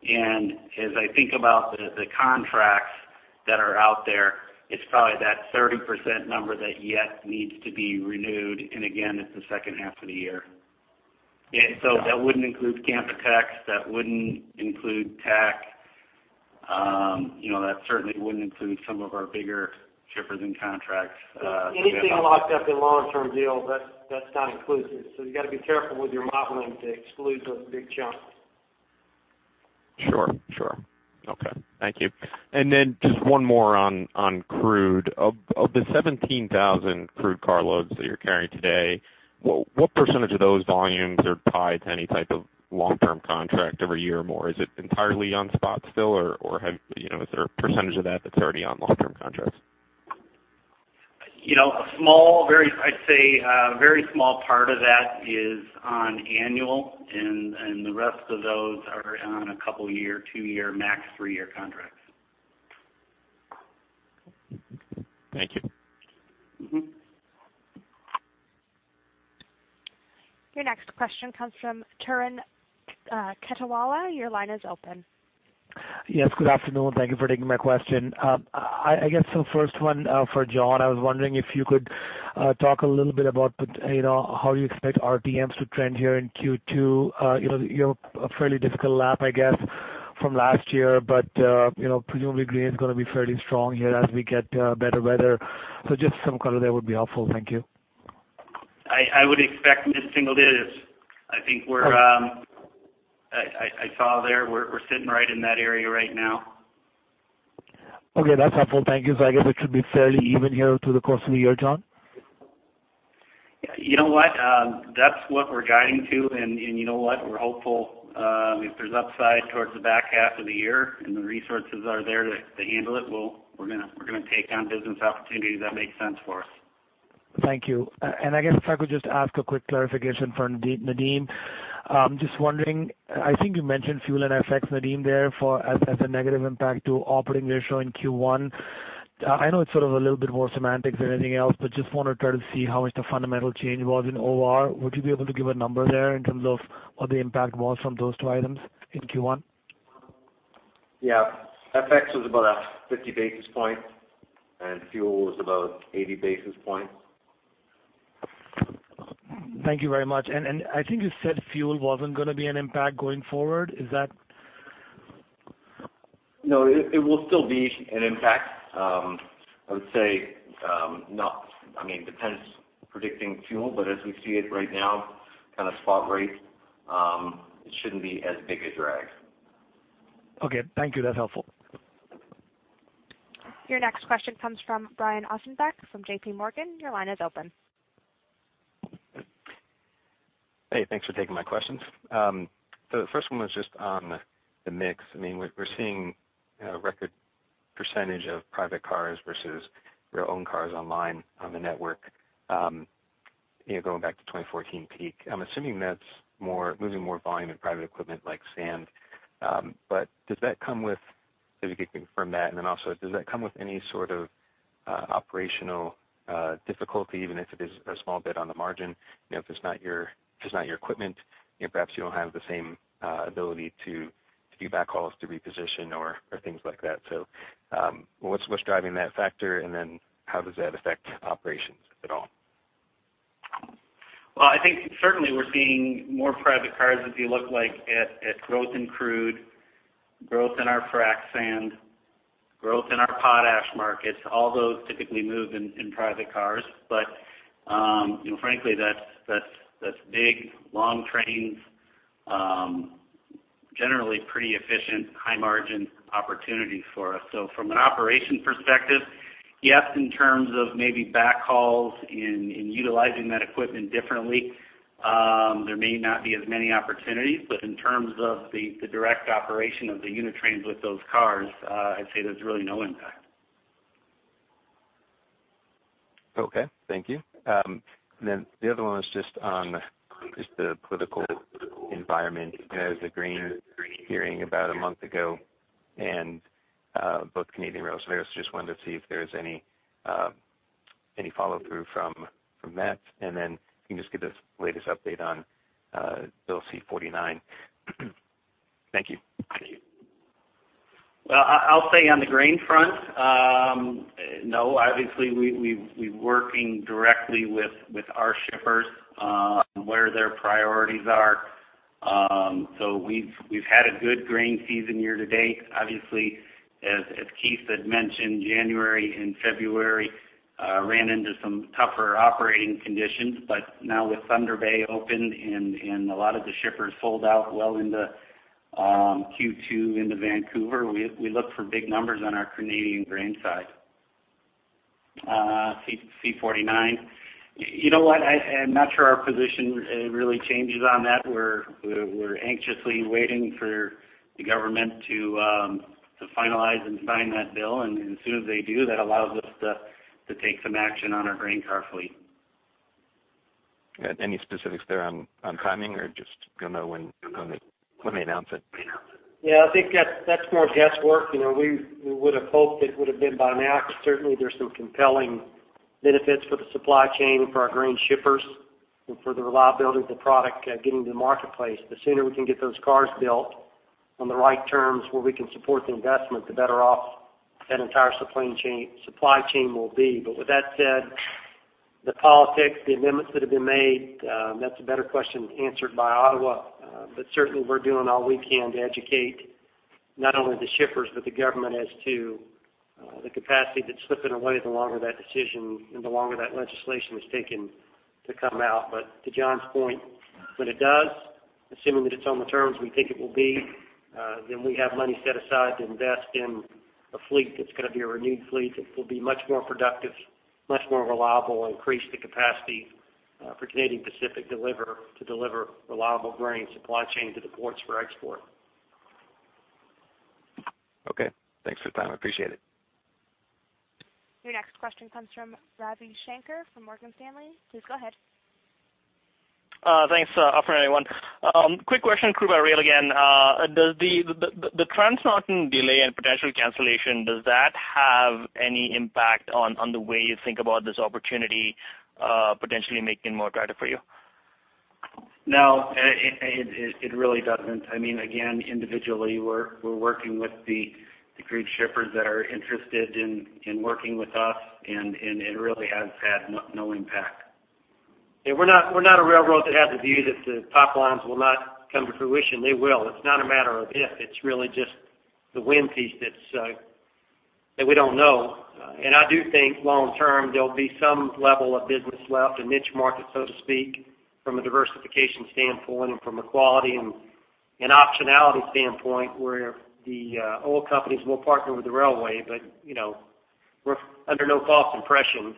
And as I think about the contracts that are out there, it's probably that 30% number that yet needs to be renewed. And again, it's the second half of the year. So that wouldn't include Canpotex. That wouldn't include Teck. That certainly wouldn't include some of our bigger shippers and contracts. Anything locked up in long-term deals, that's not inclusive. So you got to be careful with your modeling to exclude those big chunks. Sure. Sure. Okay. Thank you. And then just one more on crude. Of the 17,000 crude car loads that you're carrying today, what percentage of those volumes are tied to any type of long-term contract every year or more? Is it entirely on spot still, or is there a percentage of that that's already on long-term contracts? A small, I'd say, very small part of that is on annual, and the rest of those are on a couple-year, 2-year, max 3-year contracts. Thank you. Your next question comes from Turan Quettawala. Your line is open. Yes. Good afternoon. Thank you for taking my question. I guess some first one for John. I was wondering if you could talk a little bit about how you expect RTMs to trend here in Q2. You have a fairly difficult lap, I guess, from last year, but presumably, grain is going to be fairly strong here as we get better weather. So just some color there would be helpful. Thank you. I would expect mid-single digits. I think we're. I saw there. We're sitting right in that area right now. Okay. That's helpful. Thank you. So I guess it should be fairly even here through the course of the year, John? You know what? That's what we're guiding to. And you know what? We're hopeful if there's upside towards the back half of the year and the resources are there to handle it, we're going to take on business opportunities that make sense for us. Thank you. And I guess if I could just ask a quick clarification for Nadeem. Just wondering, I think you mentioned fuel and FX effects, Nadeem, there as a negative impact to operating ratio in Q1. I know it's sort of a little bit more semantics than anything else, but just want to try to see how much the fundamental change was in OR. Would you be able to give a number there in terms of what the impact was from those two items in Q1? Yeah. FX was about a 50 basis points, and fuel was about 80 basis points. Thank you very much. I think you said fuel wasn't going to be an impact going forward. Is that? No, it will still be an impact. I would say not—I mean, depends predicting fuel, but as we see it right now, kind of spot rate, it shouldn't be as big a drag. Okay. Thank you. That's helpful. Your next question comes from Brian Ossenbeck from J.P. Morgan. Your line is open. Hey. Thanks for taking my questions. So the first one was just on the mix. I mean, we're seeing a record percentage of private cars versus rail-owned cars on-line on the network going back to 2014 peak. I'm assuming that's moving more volume in private equipment like sand. But does that come with, so if you could confirm that. And then also, does that come with any sort of operational difficulty, even if it is a small bit on the margin? If it's not your equipment, perhaps you don't have the same ability to do backhauls, to reposition, or things like that. So what's driving that factor? And then how does that affect operations, if at all? Well, I think certainly, we're seeing more private cars, as you look, like, at growth in crude, growth in our frac sand, growth in our potash markets. All those typically move in private cars. But frankly, that's big, long trains, generally pretty efficient, high-margin opportunities for us. So from an operation perspective, yes, in terms of maybe backhauls in utilizing that equipment differently, there may not be as many opportunities. But in terms of the direct operation of the unit trains with those cars, I'd say there's really no impact. Okay. Thank you. And then the other one was just on the political environment. I was hearing about a month ago about Canadian rail service. Just wanted to see if there was any follow-through from that. Then if you can just give the latest update on Bill C-49. Thank you. Thank you. Well, I'll say on the grain front, no. Obviously, we're working directly with our shippers where their priorities are. So we've had a good grain season year to date. Obviously, as Keith had mentioned, January and February ran into some tougher operating conditions. But now with Thunder Bay open and a lot of the shippers sold out well into Q2 into Vancouver, we look for big numbers on our Canadian grain side. C-49, you know what? I'm not sure our position really changes on that. We're anxiously waiting for the government to finalize and sign that bill. And as soon as they do, that allows us to take some action on our grain car fleet. Any specifics there on timing or just don't know when they announce it? Yeah. I think that's more guesswork. We would have hoped it would have been by now. But certainly, there's some compelling benefits for the supply chain, for our grain shippers, and for the reliability of the product getting to the marketplace. The sooner we can get those cars built on the right terms where we can support the investment, the better off that entire supply chain will be. But with that said, the politics, the amendments that have been made, that's a better question answered by Ottawa. But certainly, we're doing all we can to educate not only the shippers but the government as to the capacity that's slipping away the longer that decision and the longer that legislation is taking to come out. But to John's point, when it does, assuming that it's on the terms we think it will be, then we have money set aside to invest in a fleet that's going to be a renewed fleet that will be much more productive, much more reliable, and increase the capacity for Canadian Pacific to deliver a reliable grain supply chain to the ports for export. Okay. Thanks for your time. Appreciate it. Your next question comes from Ravi Shanker from Morgan Stanley. Please go ahead. Thanks for that, everyone. Quick question, crude by rail again. The Trans Mountain delay and potential cancellation, does that have any impact on the way you think about this opportunity potentially making more tighter for you? No. It really doesn't. I mean, again, individually, we're working with the crude shippers that are interested in working with us, and it really has had no impact. Yeah. We're not a railroad that has a view that the top lines will not come to fruition. They will. It's not a matter of if. It's really just the when piece that we don't know. And I do think long-term, there'll be some level of business left, a niche market, so to speak, from a diversification standpoint and from a quality and optionality standpoint where the old companies will partner with the railway. But we're under no false impression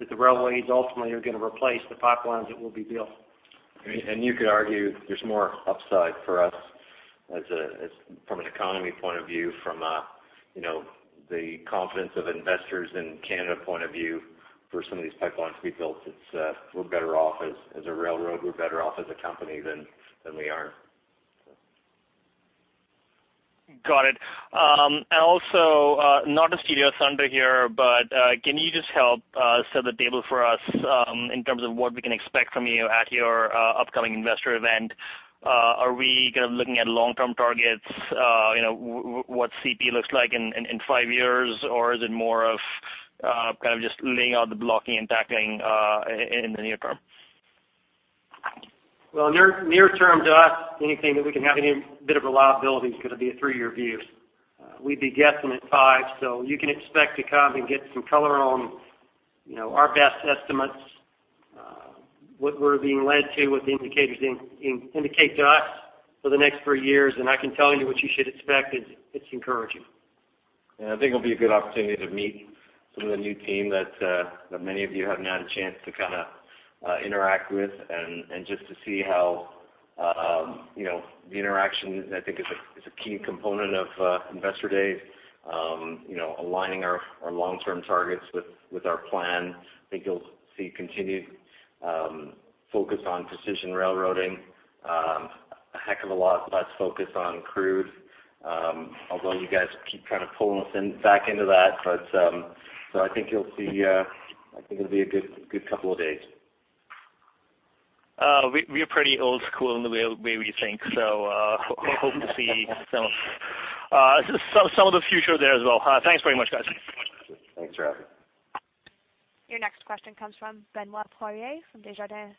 that the railways ultimately are going to replace the pipelines that will be built. You could argue there's more upside for us from an economy point of view, from the confidence of investors in Canada point of view for some of these pipelines to be built. We're better off as a railroad. We're better off as a company than we are, so. Got it. Also, not a serious undertone here, but can you just help set the table for us in terms of what we can expect from you at your upcoming investor event? Are we kind of looking at long-term targets, what CP looks like in five years, or is it more of kind of just laying out the blocking and tackling in the near term? Well, near term to us, anything that we can have any bit of reliability is going to be a three year view. We'd be guessing at five. So you can expect to come and get some color on our best estimates, what we're being led to, what the indicators indicate to us for the next three years. And I can tell you what you should expect. It's encouraging. I think it'll be a good opportunity to meet some of the new team that many of you haven't had a chance to kind of interact with and just to see how the interaction, I think, is a key component of investor days, aligning our long-term targets with our plan. I think you'll see continued focus on precision railroading, a heck of a lot less focus on crude, although you guys keep kind of pulling us back into that. So I think you'll see I think it'll be a good couple of days. We are pretty old school in the way we think, so hope to see some of the future there as well. Thanks very much, guys. Thanks, Ravi. Your next question comes from Benoit Poirier from Desjardins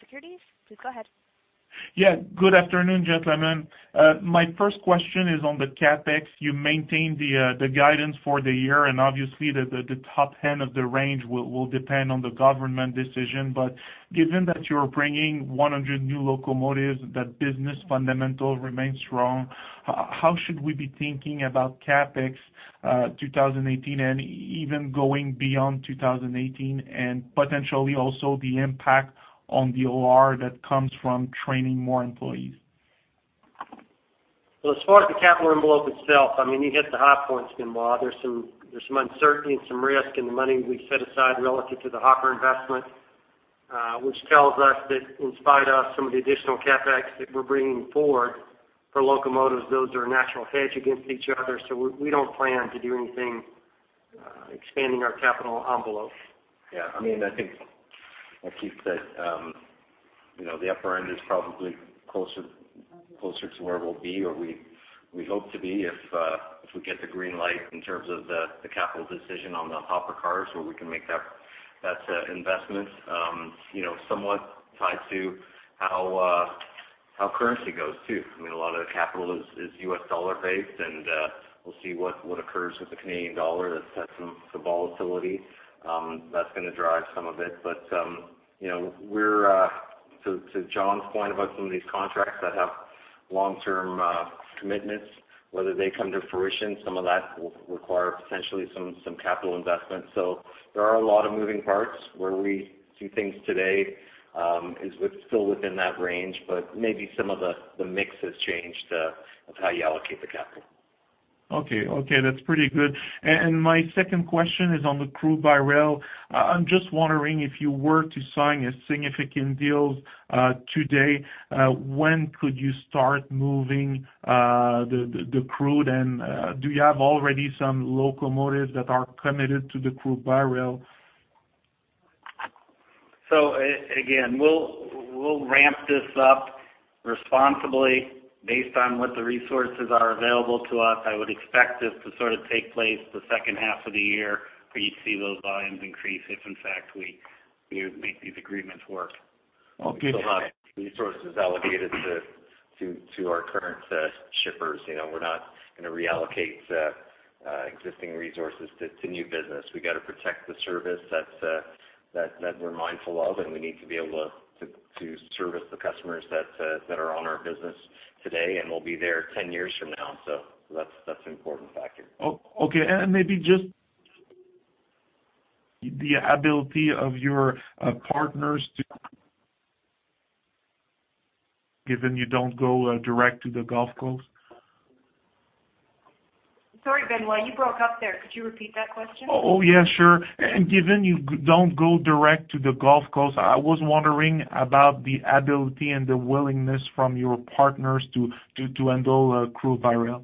Securities. Please go ahead. Yeah. Good afternoon, gentlemen. My first question is on the CAPEX. You maintain the guidance for the year, and obviously, the top 10 of the range will depend on the government decision. But given that you're bringing 100 new locomotives, that business fundamental remains strong, how should we be thinking about CAPEX 2018 and even going beyond 2018 and potentially also the impact on the OR that comes from training more employees? Well, as far as the capital envelope itself, I mean, you hit the high points, Benoit. There's some uncertainty and some risk in the money we've set aside relative to the hopper investment, which tells us that in spite of some of the additional CAPEX that we're bringing forward for locomotives, those are a natural hedge against each other. So we don't plan to do anything expanding our capital envelope. Yeah. I mean, I think, like Keith said, the upper end is probably closer to where we'll be or we hope to be if we get the green light in terms of the capital decision on the hopper cars where we can make that investment somewhat tied to how currency goes too. I mean, a lot of the capital is U.S. dollar-based, and we'll see what occurs with the Canadian dollar. That's had some volatility. That's going to drive some of it. But to John's point about some of these contracts that have long-term commitments, whether they come to fruition, some of that will require potentially some capital investment. So there are a lot of moving parts. Where we do things today is still within that range, but maybe some of the mix has changed of how you allocate the capital. Okay. Okay. That's pretty good. My second question is on the crude by rail. I'm just wondering, if you were to sign significant deals today, when could you start moving the crude? And do you have already some locomotives that are committed to the crude by rail? So again, we'll ramp this up responsibly based on what the resources are available to us. I would expect this to sort of take place the second half of the year where you see those volumes increase if, in fact, we make these agreements work. We still have resources allocated to our current shippers. We're not going to reallocate existing resources to new business. We got to protect the service that we're mindful of, and we need to be able to service the customers that are on our business today. And we'll be there 10 years from now. So that's an important factor. Okay. And maybe just the ability of your partners to given you don't go direct to the Gulf Coast? Sorry, Benoit. You broke up there. Could you repeat that question? Oh, yeah. Sure. Given you don't go direct to the Gulf Coast, I was wondering about the ability and the willingness from your partners to endorse crude by rail.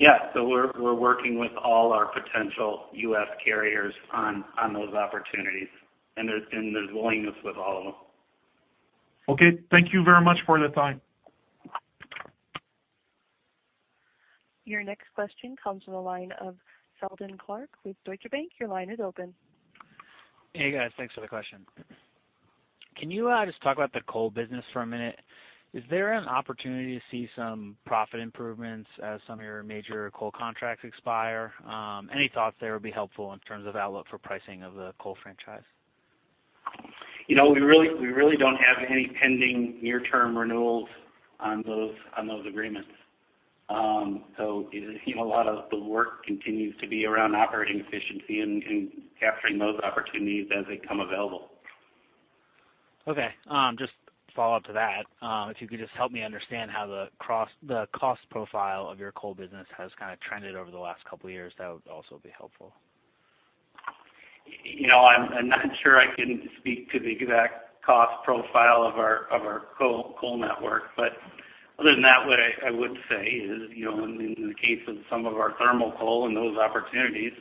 Yeah. So we're working with all our potential U.S. carriers on those opportunities, and there's willingness with all of them. Okay. Thank you very much for the time. Your next question comes from the line of Seldon Clarke with Deutsche Bank. Your line is open. Hey, guys. Thanks for the question. Can you just talk about the coal business for a minute? Is there an opportunity to see some profit improvements as some of your major coal contracts expire? Any thoughts there would be helpful in terms of outlook for pricing of the coal franchise? We really don't have any pending near-term renewals on those agreements. A lot of the work continues to be around operating efficiency and capturing those opportunities as they come available. Okay. Just follow up to that, if you could just help me understand how the cost profile of your coal business has kind of trended over the last couple of years, that would also be helpful. I'm not sure I can speak to the exact cost profile of our coal network. But other than that, what I would say is, in the case of some of our thermal coal and those opportunities,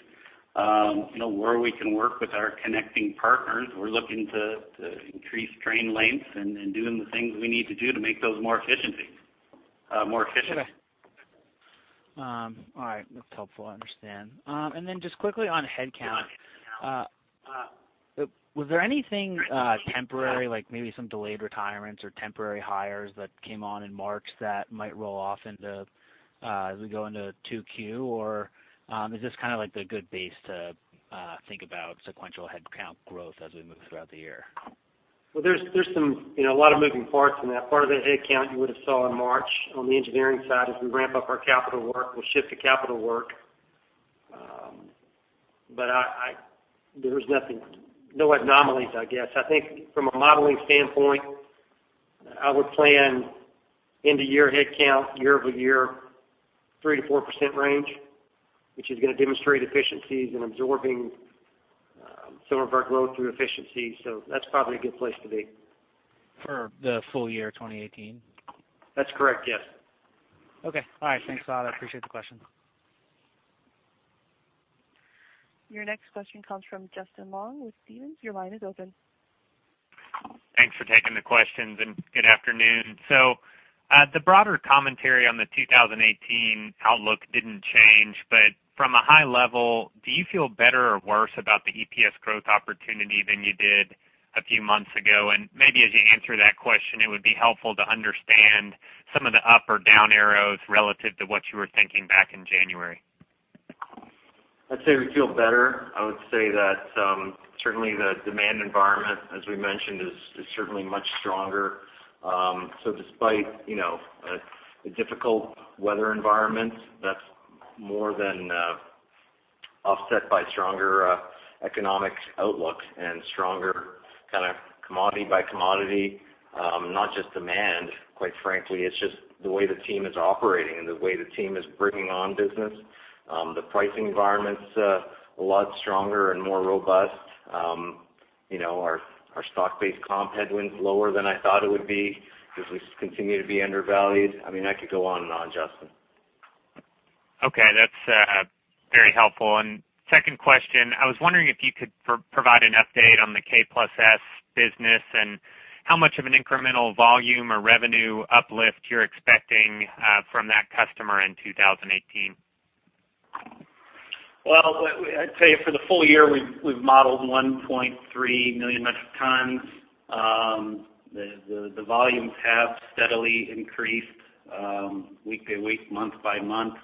where we can work with our connecting partners, we're looking to increase train lengths and doing the things we need to do to make those more efficient. Okay. All right. That's helpful to understand. And then just quickly on headcount, was there anything temporary, like maybe some delayed retirements or temporary hires that came on in March that might roll off as we go into 2Q? Or is this kind of the good base to think about sequential headcount growth as we move throughout the year? Well, there's a lot of moving parts in that. Part of the headcount you would have saw in March on the engineering side is we ramp up our capital work. We'll shift to capital work. But there's no anomalies, I guess. I think from a modeling standpoint, I would plan end-of-year headcount, year-over-year, 3%-4% range, which is going to demonstrate efficiencies in absorbing some of our growth through efficiencies. So that's probably a good place to be. For the full year 2018? That's correct. Yes. Okay. All right. Thanks, a lot. Appreciate the question. Your next question comes from Justin Long with Stephens. Your line is open. Thanks for taking the questions, and good afternoon. So the broader commentary on the 2018 outlook didn't change. But from a high level, do you feel better or worse about the EPS growth opportunity than you did a few months ago? And maybe as you answer that question, it would be helpful to understand some of the up or down arrows relative to what you were thinking back in January. I'd say we feel better. I would say that certainly, the demand environment, as we mentioned, is certainly much stronger. So despite a difficult weather environment, that's more than offset by stronger economic outlook and stronger kind of commodity by commodity, not just demand, quite frankly. It's just the way the team is operating and the way the team is bringing on business. The pricing environment's a lot stronger and more robust. Our stock-based comp headwind's lower than I thought it would be because we continue to be undervalued. I mean, I could go on and on, Justin. Okay. That's very helpful. Second question, I was wondering if you could provide an update on the K+S business and how much of an incremental volume or revenue uplift you're expecting from that customer in 2018. Well, I'd say for the full year, we've modeled 1.3 million metric tons. The volumes have steadily increased week by week, month by month.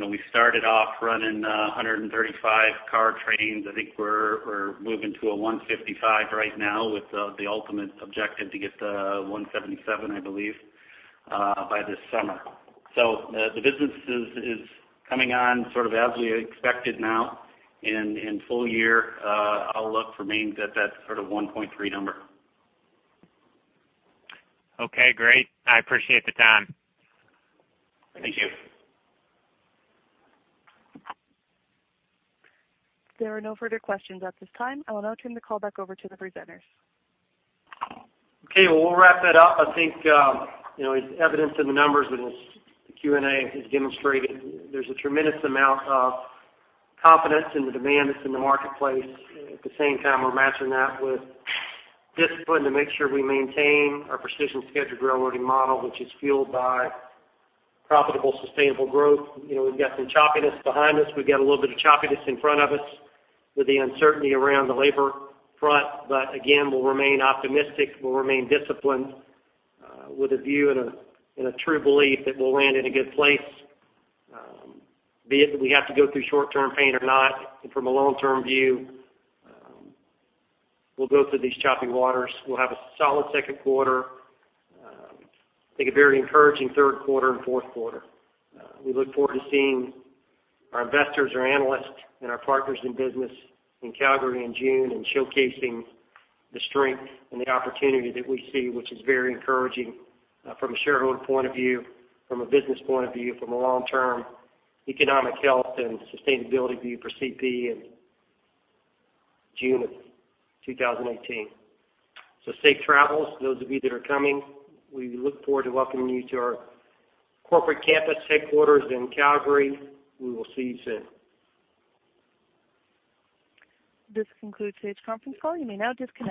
We started off running 135-car trains. I think we're moving to a 155 right now with the ultimate objective to get to 177, I believe, by this summer. So the business is coming on sort of as we expected now in full year. I'll look for remains at that sort of 1.3 number. Okay. Great. I appreciate the time. Thank you. There are no further questions at this time. I will now turn the call back over to the presenters. Okay. Well, we'll wrap it up. I think it's evident in the numbers and the Q&A has demonstrated there's a tremendous amount of confidence in the demand that's in the marketplace. At the same time, we're matching that with discipline to make sure we maintain our Precision Scheduled Railroading model, which is fueled by profitable, sustainable growth. We've got some choppiness behind us. We've got a little bit of choppiness in front of us with the uncertainty around the labor front. But again, we'll remain optimistic. We'll remain disciplined with a view and a true belief that we'll land in a good place, be it that we have to go through short-term pain or not. And from a long-term view, we'll go through these choppy waters. We'll have a solid second quarter, I think a very encouraging third quarter, and fourth quarter. We look forward to seeing our investors, our analysts, and our partners in business in Calgary in June and showcasing the strength and the opportunity that we see, which is very encouraging from a shareholder point of view, from a business point of view, from a long-term economic health and sustainability view for CP in June of 2018. So safe travels, those of you that are coming. We look forward to welcoming you to our corporate campus headquarters in Calgary. We will see you soon. This concludes today's conference call. You may now disconnect.